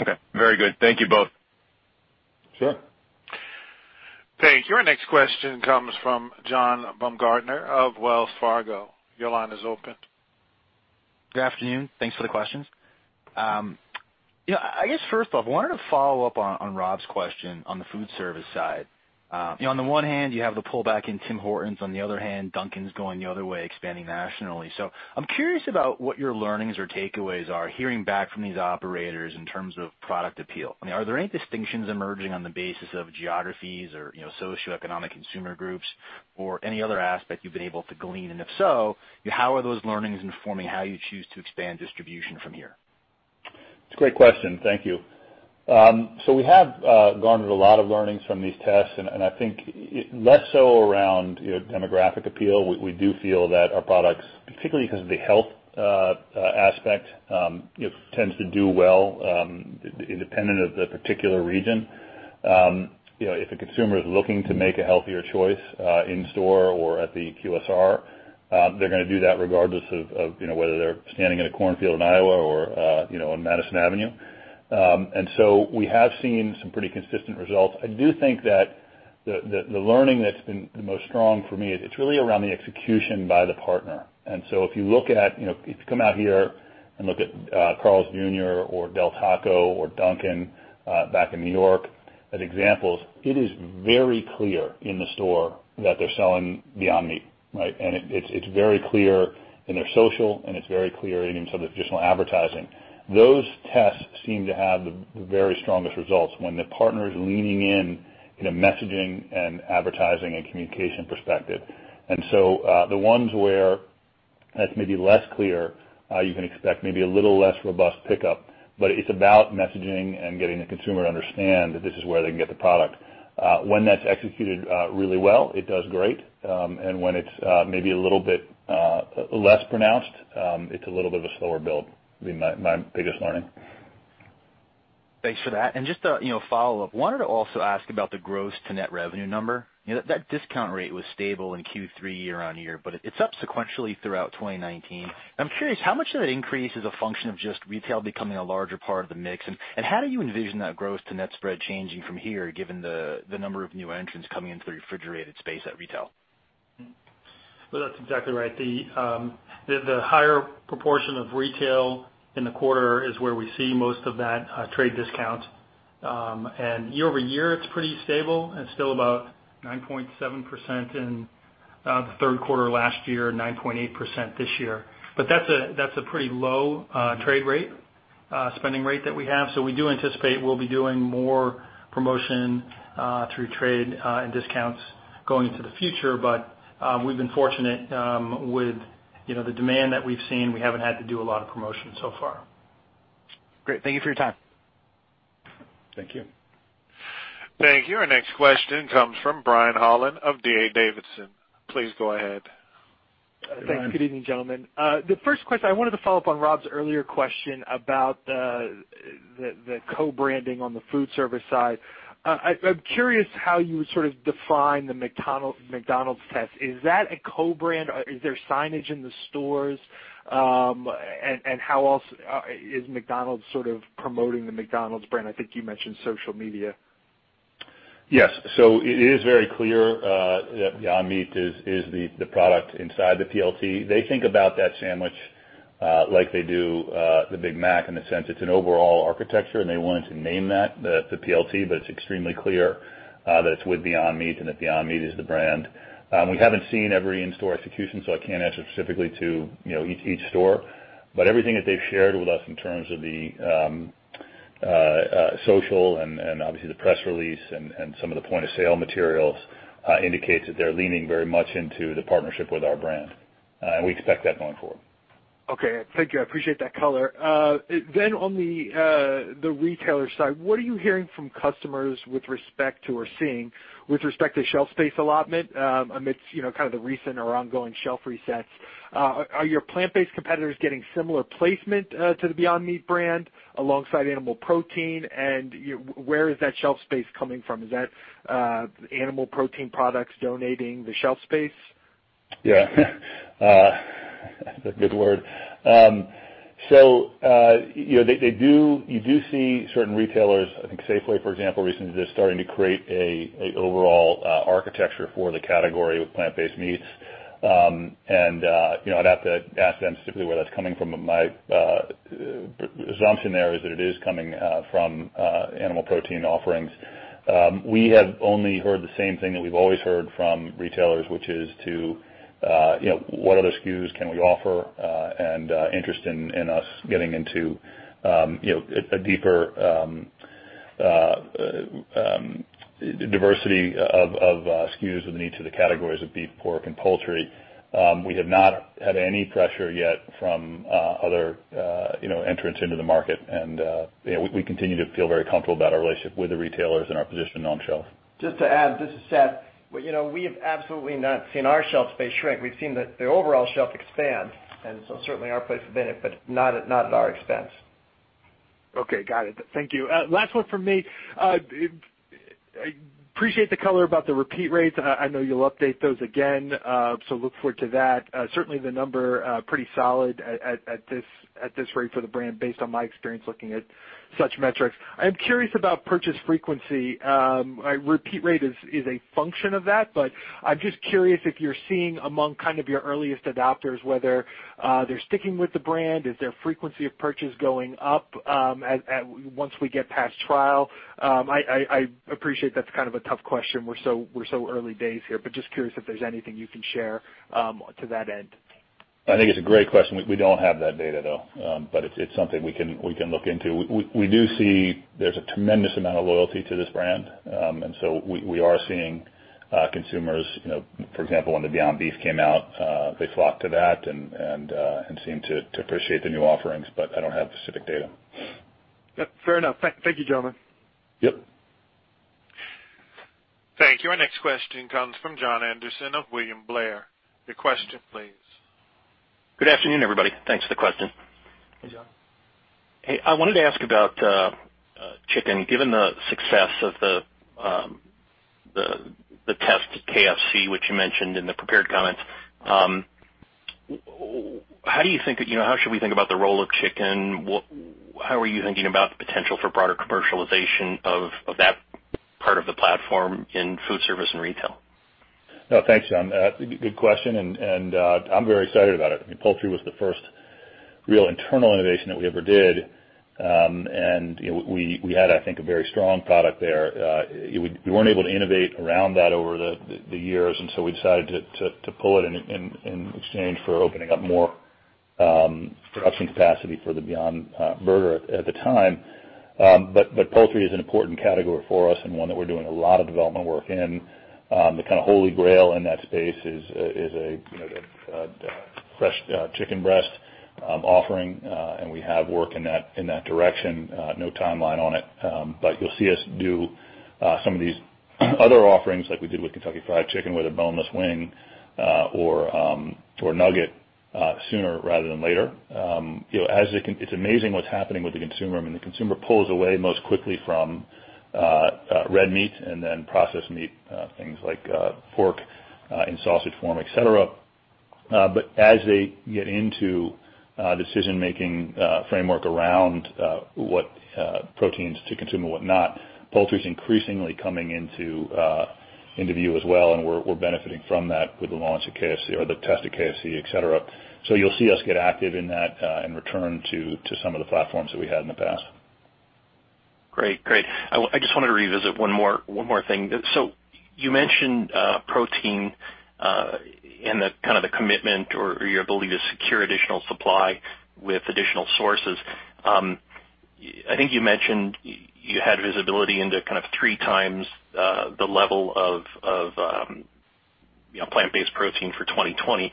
Okay, very good. Thank you both. Sure. Thank you. Our next question comes from John Baumgartner of Wells Fargo. Your line is open. Good afternoon. Thanks for the questions. I guess first off, I wanted to follow up on Rob's question on the food service side. On the one hand, you have the pullback in Tim Hortons, on the other hand, Dunkin's going the other way, expanding nationally. I'm curious about what your learnings or takeaways are hearing back from these operators in terms of product appeal. Are there any distinctions emerging on the basis of geographies or socioeconomic consumer groups or any other aspect you've been able to glean? If so, how are those learnings informing how you choose to expand distribution from here? It's a great question thank you. We have garnered a lot of learnings from these tests, and I think less so around demographic appeal. We do feel that our products, particularly because of the health aspect, tends to do well independent of the particular region. If a consumer is looking to make a healthier choice in store or at the QSR, they're going to do that regardless of whether they're standing in a cornfield in Iowa or on Madison Avenue. We have seen some pretty consistent results. I do think that the learning that's been the most strong for me is really around the execution by the partner. If you come out here and look at Carl's Jr. or Del Taco or Dunkin' back in New York at examples, it is very clear in the store that they're selling Beyond Meat. Right. It's very clear in their social, and it's very clear in some of the traditional advertising. Those tests seem to have the very strongest results when the partner is leaning in in a messaging and advertising and communication perspective. The ones where that's maybe less clear, you can expect maybe a little less robust pickup. It's about messaging and getting the consumer to understand that this is where they can get the product. When that's executed really well, it does great. When it's maybe a little bit less pronounced, it's a little bit of a slower build, would be my biggest learning. Thanks for that. Just a follow-up. Wanted to also ask about the gross to net revenue number. That discount rate was stable in Q3 year-on-year, but it's up sequentially throughout 2019. I'm curious, how much of that increase is a function of just retail becoming a larger part of the mix? How do you envision that gross to net spread changing from here, given the number of new entrants coming into the refrigerated space at retail? Well, that's exactly right. The higher proportion of retail in the quarter is where we see most of that trade discount. Year-over-year, it's pretty stable, and still about 9.7% in the third quarter last year, 9.8% this year. That's a pretty low trade rate, spending rate that we have. We do anticipate we'll be doing more promotion through trade and discounts going into the future. We've been fortunate with the demand that we've seen. We haven't had to do a lot of promotion so far. Great. Thank you for your time. Thank you. Thank you. Our next question comes from Brian Holland of D.A. Davidson. Please go ahead. Thanks. Good evening, gentlemen. The first question, I wanted to follow up on Rob's earlier question about the co-branding on the food service side. I'm curious how you would sort of define the McDonald's test. Is that a co-brand? Is there signage in the stores? How else is McDonald's sort of promoting the McDonald's brand? I think you mentioned social media. Yes. It is very clear that Beyond Meat is the product inside the P.L.T, they think about that sandwich like they do the Big Mac, in the sense it's an overall architecture. They wanted to name that, the P.L.T. It's extremely clear that it's with Beyond Meat and that Beyond Meat is the brand. We haven't seen every in-store execution. I can't answer specifically to each store. Everything that they've shared with us in terms of the social and obviously the press release and some of the point-of-sale materials indicates that they're leaning very much into the partnership with our brand. We expect that going forward. Okay, thank you. I appreciate that color. On the retailer side, what are you hearing from customers with respect to, or seeing, with respect to shelf space allotment amidst kind of the recent or ongoing shelf resets? Are your plant-based competitors getting similar placement to the Beyond Meat brand alongside animal protein? Where is that shelf space coming from? Is that animal protein products donating the shelf space? Yeah. A good word. You do see certain retailers, I think Safeway, for example, recently just starting to create an overall architecture for the category with plant-based meats. I'd have to ask them specifically where that's coming from, but my assumption there is that it is coming from animal protein offerings. We have only heard the same thing that we've always heard from retailers, which is what other SKUs can we offer, and interest in us getting into a deeper diversity of SKUs within each of the categories of beef, pork, and poultry. We have not had any pressure yet from other entrants into the market, we continue to feel very comfortable about our relationship with the retailers and our position on shelf. Just to add, this is Seth. We have absolutely not seen our shelf space shrink. We've seen the overall shelf expand, and so certainly our place has benefit, but not at our expense. Okay, got it, thank you. Last one from me. Appreciate the color about the repeat rates, I know you'll update those again, so look forward to that. Certainly, the number pretty solid at this rate for the brand based on my experience looking at such metrics. I'm curious about purchase frequency. Repeat rate is a function of that, but I'm just curious if you're seeing among kind of your earliest adopters, whether they're sticking with the brand. Is their frequency of purchase going up once we get past trial? I appreciate that's kind of a tough question. We're so early days here, but just curious if there's anything you can share to that end. I think it's a great question. We don't have that data, though, but it's something we can look into. We do see there's a tremendous amount of loyalty to this brand. We are seeing consumers, for example, when the Beyond Beef came out, they flocked to that and seemed to appreciate the new offerings, but I don't have specific data. Yep, fair enough. Thank you, gentlemen. Yep. Thank you. Our next question comes from Jon Andersen of William Blair. Your question, please. Good afternoon, everybody. Thanks for the question. Hey, Jon. Hey, I wanted to ask about chicken. Given the success of the test at KFC, which you mentioned in the prepared comments, how should we think about the role of chicken? How are you thinking about the potential for broader commercialization of that part of the platform in food service and retail? No. Thanks, Jon, good question. I'm very excited about it. Poultry was the first real internal innovation that we ever did and we had I think, a very strong product there. We weren't able to innovate around that over the years. We decided to pull it in exchange for opening up more production capacity for the Beyond Burger at the time. Poultry is an important category for us and one that we're doing a lot of development work in. The kind of holy grail in that space is a fresh chicken breast offering, and we have work in that direction. No timeline on it. You'll see us do some of these other offerings like we did with Kentucky Fried Chicken, with a boneless wing, or nugget sooner rather than later. It's amazing what's happening with the consumer. I mean, the consumer pulls away most quickly from red meat and then processed meat, things like pork in sausage form, et cetera. As they get into a decision-making framework around what proteins to consume and what not, poultry's increasingly coming into view as well and we're benefiting from that with the launch at KFC or the test at KFC, et cetera. You'll see us get active in that and return to some of the platforms that we had in the past. Great. I just wanted to revisit one more thing. You mentioned protein, and the commitment or your ability to secure additional supply with additional sources. I think you mentioned you had visibility into three times the level of plant-based protein for 2020.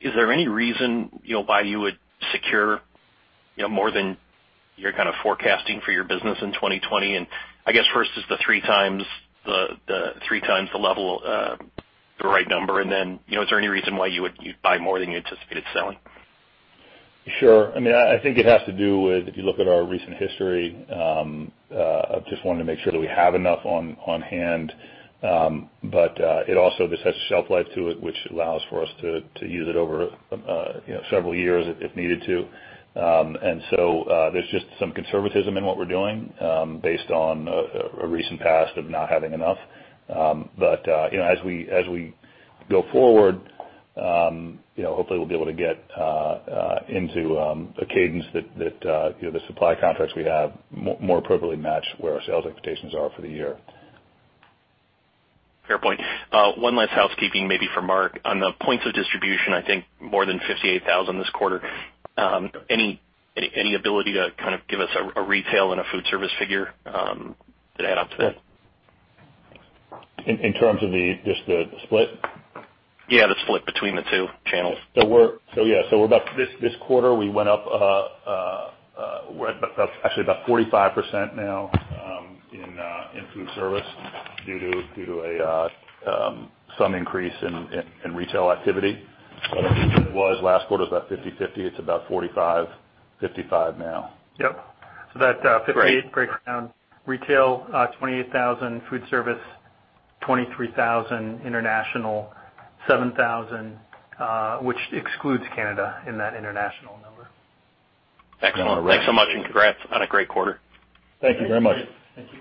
Is there any reason why you would secure more than you're forecasting for your business in 2020? I guess first is the three times the level, the right number, and then, is there any reason why you'd buy more than you anticipated selling? Sure. I think it has to do with, if you look at our recent history, just wanting to make sure that we have enough on hand. It also just has shelf life to it, which allows for us to use it over several years if needed to. There's just some conservatism in what we're doing based on a recent past of not having enough. As we go forward, hopefully we'll be able to get into a cadence that the supply contracts we have more appropriately match where our sales expectations are for the year. Fair point. One last housekeeping, maybe for Mark. On the points of distribution, I think more than 58,000 this quarter. Any ability to give us a retail and a food service figure to add up to that? In terms of just the split? Yeah, the split between the two channels. Yeah. This quarter we went up, actually about 45% now in food service due to some increase in retail activity. It was last quarter it was about 50/50. It's about 45/55 now. Yep. That $58,000 breaks down retail 28,000, food service 23,000, international 7,000, which excludes Canada in that international number. Excellent. Thanks so much and congrats on a great quarter. Thank you very much. Thank you.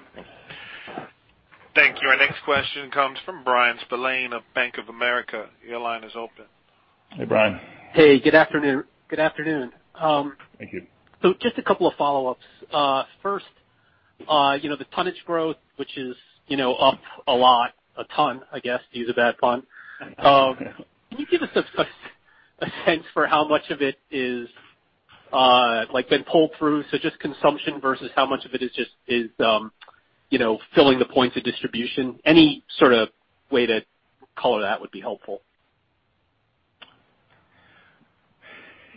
Thank you. Our next question comes from Bryan Spillane of Bank of America. Your line is open. Hey, Bryan. Hey, good afternoon. Thank you. Just a couple of follow-ups. First, the tonnage growth, which is up a lot, a ton, I guess, to use a bad pun. Can you give us a sense for how much of it is been pulled through, so just consumption versus how much of it is just filling the points of distribution? Any sort of way to color that would be helpful.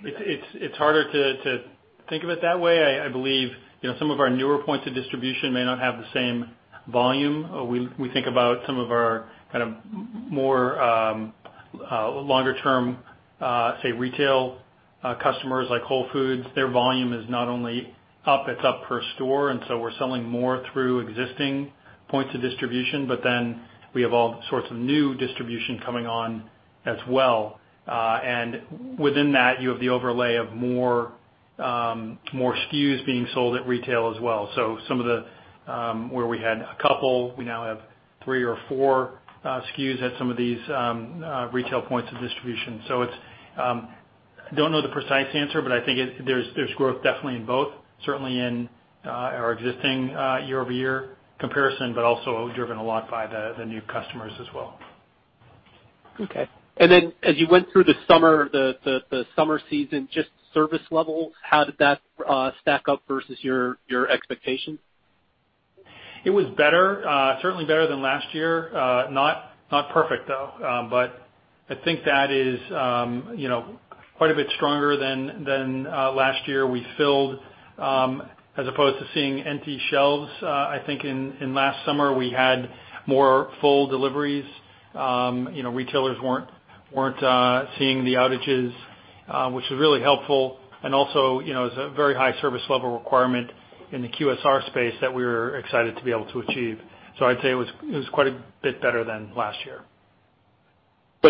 It's harder to think of it that way. I believe some of our newer points of distribution may not have the same volume. We think about some of our more longer-term, say, retail customers like Whole Foods. Their volume is not only up, it's up per store. We're selling more through existing points of distribution. We have all sorts of new distribution coming on as well. Within that, you have the overlay of more SKUs being sold at retail as well. Some of the, where we had a couple, we now have three or four SKUs at some of these retail points of distribution. I don't know the precise answer, but I think there's growth definitely in both, certainly in our existing year-over-year comparison, but also driven a lot by the new customers as well. Okay. As you went through the summer season, just service levels, how did that stack up versus your expectations? It was better. Certainly better than last year, not perfect though, but I think that is quite a bit stronger than last year. We filled as opposed to seeing empty shelves, I think in last summer we had more full deliveries. Retailers weren't seeing the outages, which was really helpful and also is a very high service level requirement in the QSR space that we were excited to be able to achieve. I'd say it was quite a bit better than last year.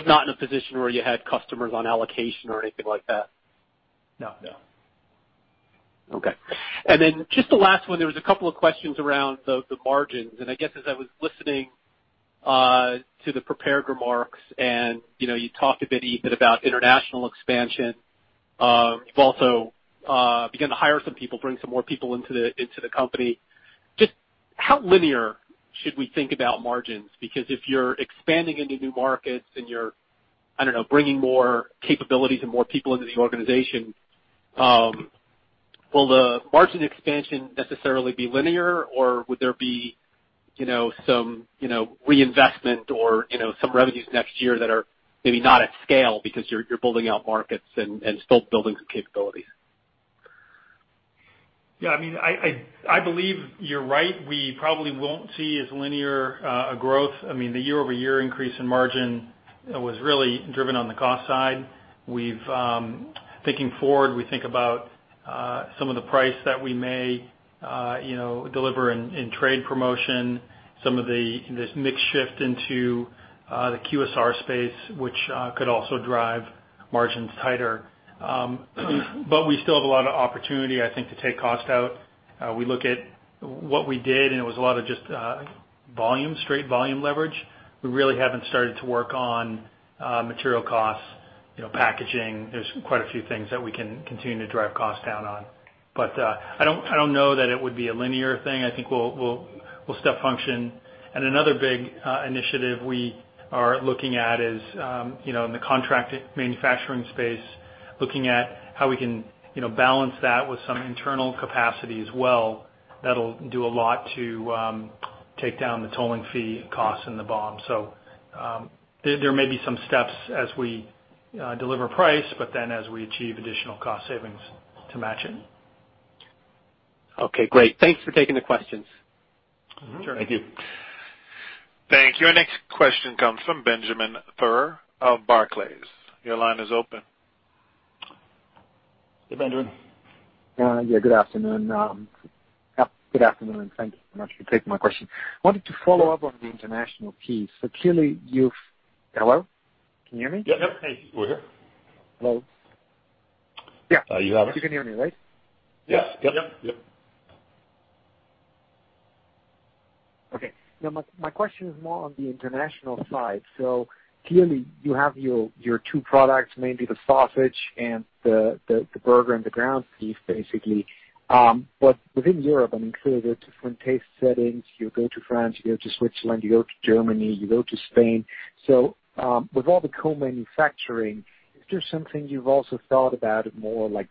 Not in a position where you had customers on allocation or anything like that? No. Okay. Just the last one, there was a couple of questions around the margins. I guess as I was listening to the prepared remarks and you talked a bit even about international expansion. You've also begun to hire some people, bring some more people into the company. Just how linear should we think about margins? If you're expanding into new markets and you're, I don't know, bringing more capabilities and more people into the organization, will the margin expansion necessarily be linear or would there be some reinvestment or some revenues next year that are maybe not at scale because you're building out markets and still building some capabilities? I believe you're right. We probably won't see as linear a growth. The year-over-year increase in margin was really driven on the cost side. Thinking forward, we think about some of the price that we may deliver in trade promotion, some of this mix shift into the QSR space, which could also drive margins tighter. We still have a lot of opportunity, I think, to take cost out. We look at what we did, and it was a lot of just straight volume leverage. We really haven't started to work on material costs, packaging. There's quite a few things that we can continue to drive costs down on. I don't know that it would be a linear thing. I think we'll step function. Another big initiative we are looking at is in the contract manufacturing space, looking at how we can balance that with some internal capacity as well. That'll do a lot to take down the tolling fee costs and the BOM. There may be some steps as we deliver price, but then as we achieve additional cost savings to match it. Okay, great. Thanks for taking the questions. Sure. Thank you. Thank you. Our next question comes from Benjamin Theurer of Barclays. Your line is open. Hey, Benjamin. Good afternoon, and thank you so much for taking my question. I wanted to follow up on the international piece. Hello? Can you hear me? Yep. Hey, we're here. Hello. Yeah. You have us. You can hear me, right? Yes. Yep. Yep. My question is more on the international side. Clearly you have your two products, mainly the sausage and the burger and the ground beef, basically. Within Europe, I mean, clearly there are different taste settings. You go to France, you go to Switzerland, you go to Germany, you go to Spain. With all the co-manufacturing, is there something you've also thought about it more like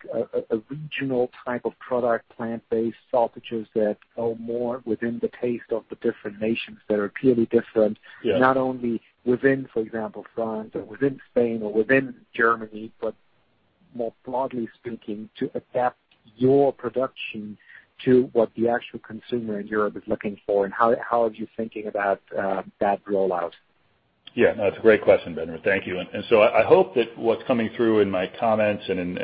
a regional type of product, plant-based sausages that go more within the taste of the different nations that are clearly different? Yes Not only within, for example, France or within Spain or within Germany, but more broadly speaking, to adapt your production to what the actual consumer in Europe is looking for, and how are you thinking about that rollout? Yeah. No, that's a great question, Benjamin. Thank you. I hope that what's coming through in my comments and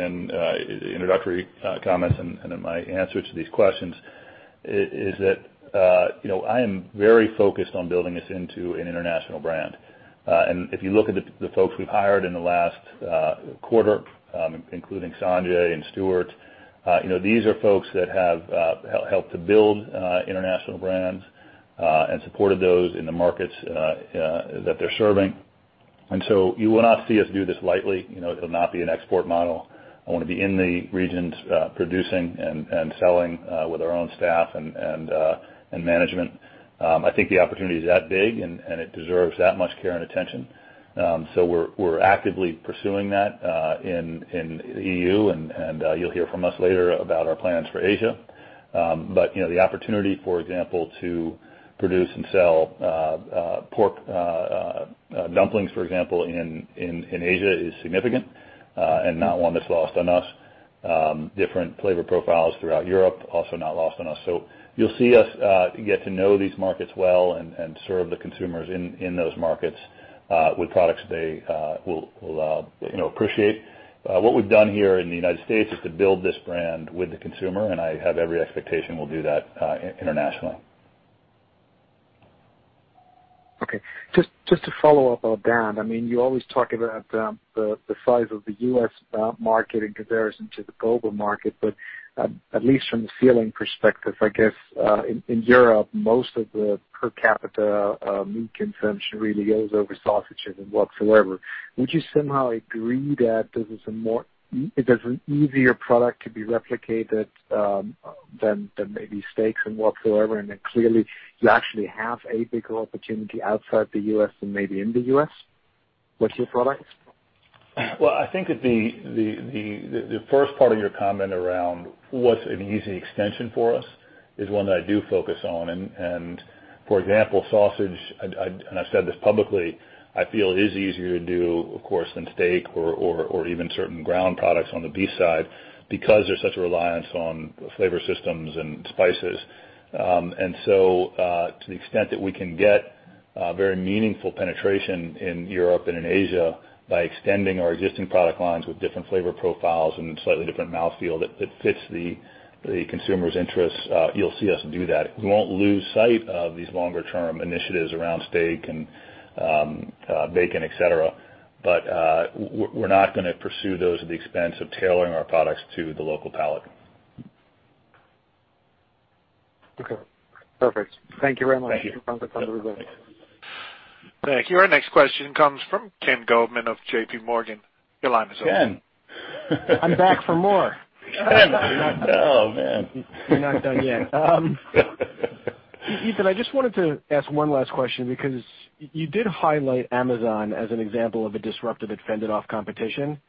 introductory comments and in my answers to these questions is that, I am very focused on building this into an international brand. If you look at the folks we've hired in the last quarter, including Sanjay and Stuart, these are folks that have helped to build international brands, and supported those in the markets that they're serving. You will not see us do this lightly. It'll not be an export model. I want to be in the regions, producing and selling, with our own staff and management. I think the opportunity is that big, and it deserves that much care and attention. We're actively pursuing that in EU, and you'll hear from us later about our plans for Asia. The opportunity, for example, to produce and sell pork dumplings, for example, in Asia is significant, and not one that's lost on us. Different flavor profiles throughout Europe, also not lost on us. You'll see us, get to know these markets well and serve the consumers in those markets with products they will appreciate. What we've done here in the United States is to build this brand with the consumer, and I have every expectation we'll do that internationally. Okay. Just to follow up on that, you always talk about the size of the U.S. market in comparison to the global market. At least from the feeling perspective, I guess, in Europe, most of the per capita meat consumption really goes over sausages and whatsoever. Would you somehow agree that this is an easier product to be replicated than maybe steaks and whatsoever, and that clearly you actually have a bigger opportunity outside the U.S. than maybe in the U.S. with your products? Well, I think that the first part of your comment around what's an easy extension for us is one that I do focus on. For example, sausage, and I've said this publicly, I feel is easier to do, of course, than steak or even certain ground products on the beef side because there's such a reliance on flavor systems and spices. To the extent that we can get very meaningful penetration in Europe and in Asia by extending our existing product lines with different flavor profiles and slightly different mouth feel that fits the consumer's interests, you'll see us do that. We won't lose sight of these longer-term initiatives around steak and bacon, et cetera. We're not gonna pursue those at the expense of tailoring our products to the local palate. Okay, perfect. Thank you very much. Thank you. From the Thank you. Our next question comes from Ken Goldman of JPMorgan. Your line is open. Ken. I'm back for more. Ken. Oh, man. We're not done yet. Ethan, I just wanted to ask one last question because you did highlight Amazon as an example of a disruptor that fended off competition.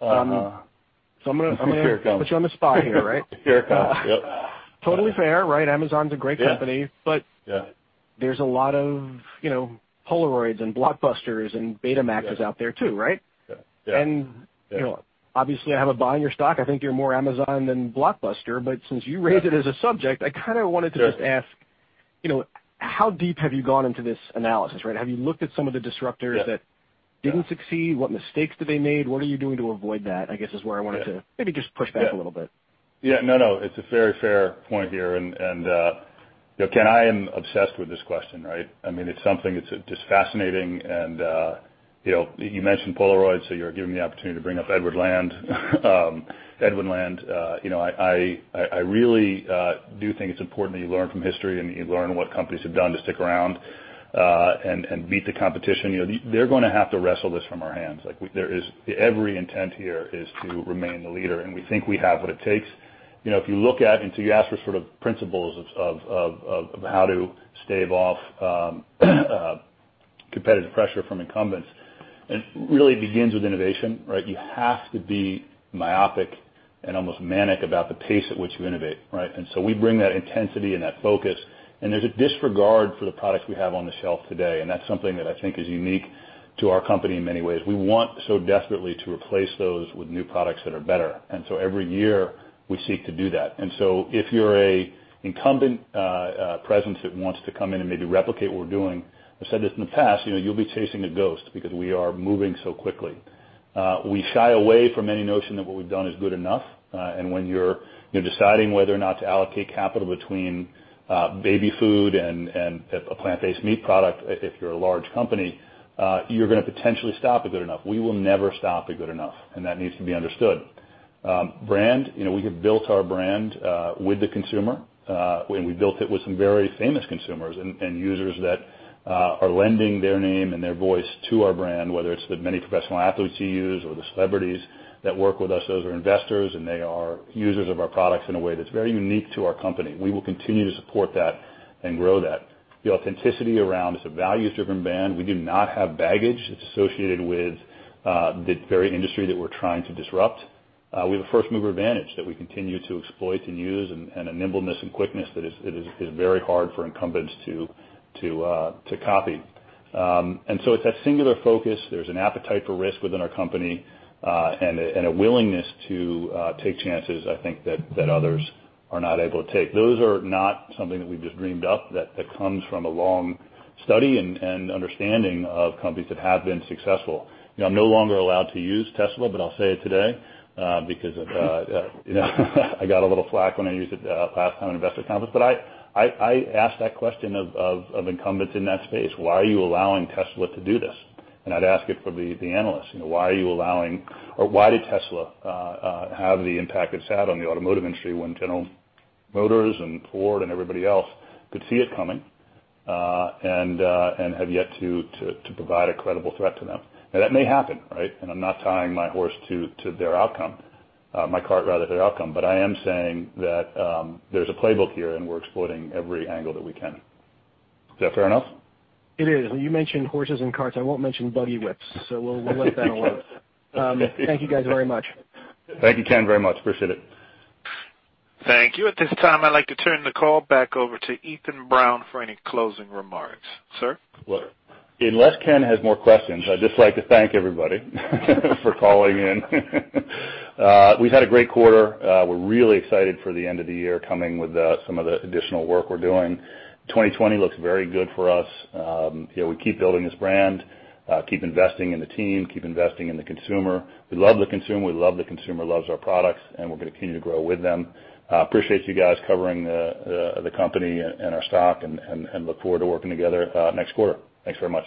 So I'm gonna- Fair comment. Put you on the spot here, right? Fair comment. Yep. Totally fair, right? Amazon's a great company. Yeah. There's a lot of Polaroids and Blockbusters and Betamaxes out there too, right? Yeah. Obviously, I have a buy on your stock, I think you're more Amazon than Blockbuster, but since you raised it as a subject, I kind of wanted to just ask, how deep have you gone into this analysis, right? Have you looked at some of the disruptors that didn't succeed? What mistakes did they make? What are you doing to avoid that, I guess, is where I wanted to maybe just push back a little bit. Yeah. No, it's a very fair point here. Ken, I am obsessed with this question, right? It's something that's just fascinating. You mentioned Polaroid, so you're giving me the opportunity to bring up Edwin Land. Edwin Land, I really do think it's important that you learn from history and that you learn what companies have done to stick around and beat the competition. They're going to have to wrestle this from our hands. Every intent here is to remain the leader, and we think we have what it takes. You asked for principles of how to stave off competitive pressure from incumbents. It really begins with innovation, right? You have to be myopic and almost manic about the pace at which you innovate, right? We bring that intensity and that focus, and there's a disregard for the products we have on the shelf today, and that's something that I think is unique to our company in many ways. We want so desperately to replace those with new products that are better. Every year, we seek to do that. If you're a incumbent presence that wants to come in and maybe replicate what we're doing, I've said this in the past, you'll be chasing a ghost because we are moving so quickly. We shy away from any notion that what we've done is good enough. When you're deciding whether or not to allocate capital between baby food and a plant-based meat product, if you're a large company, you're going to potentially stop at good enough. We will never stop at good enough, and that needs to be understood. Brand, we have built our brand with the consumer, and we built it with some very famous consumers and users that are lending their name and their voice to our brand, whether it's the many professional athletes you use or the celebrities that work with us. Those are investors, and they are users of our products in a way that's very unique to our company. We will continue to support that and grow that. The authenticity around is a values-driven brand. We do not have baggage that's associated with the very industry that we're trying to disrupt. We have a first-mover advantage that we continue to exploit and use and a nimbleness and quickness that is very hard for incumbents to copy. It's that singular focus. There's an appetite for risk within our company and a willingness to take chances, I think, that others are not able to take. Those are not something that we just dreamed up. That comes from a long study and understanding of companies that have been successful. I'm no longer allowed to use Tesla, but I'll say it today because I got a little flak when I used it last time at investor conference. I asked that question of incumbents in that space, "Why are you allowing Tesla to do this?" I'd ask it for the analysts, "Why did Tesla have the impact it's had on the automotive industry when General Motors and Ford and everybody else could see it coming and have yet to provide a credible threat to them?" Now, that may happen, right? I'm not tying my horse to their outcome. My cart, rather, to their outcome. I am saying that there's a playbook here, and we're exploiting every angle that we can. Is that fair enough? It is. You mentioned horses and carts. I won't mention buggy whips. We'll lift that alone. Okay. Thank you guys very much. Thank you, Ken, very much. Appreciate it. Thank you. At this time, I'd like to turn the call back over to Ethan Brown for any closing remarks. Sir? Well, unless Ken has more questions, I'd just like to thank everybody for calling in. We've had a great quarter. We're really excited for the end of the year coming with some of the additional work we're doing. 2020 looks very good for us. We keep building this brand, keep investing in the team, keep investing in the consumer. We love the consumer. We love that the consumer loves our products, and we're going to continue to grow with them. Appreciate you guys covering the company and our stock, and look forward to working together next quarter. Thanks very much.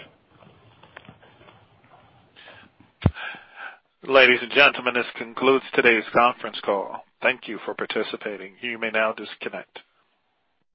Ladies and gentlemen, this concludes today's conference call. Thank you for participating. You may now disconnect.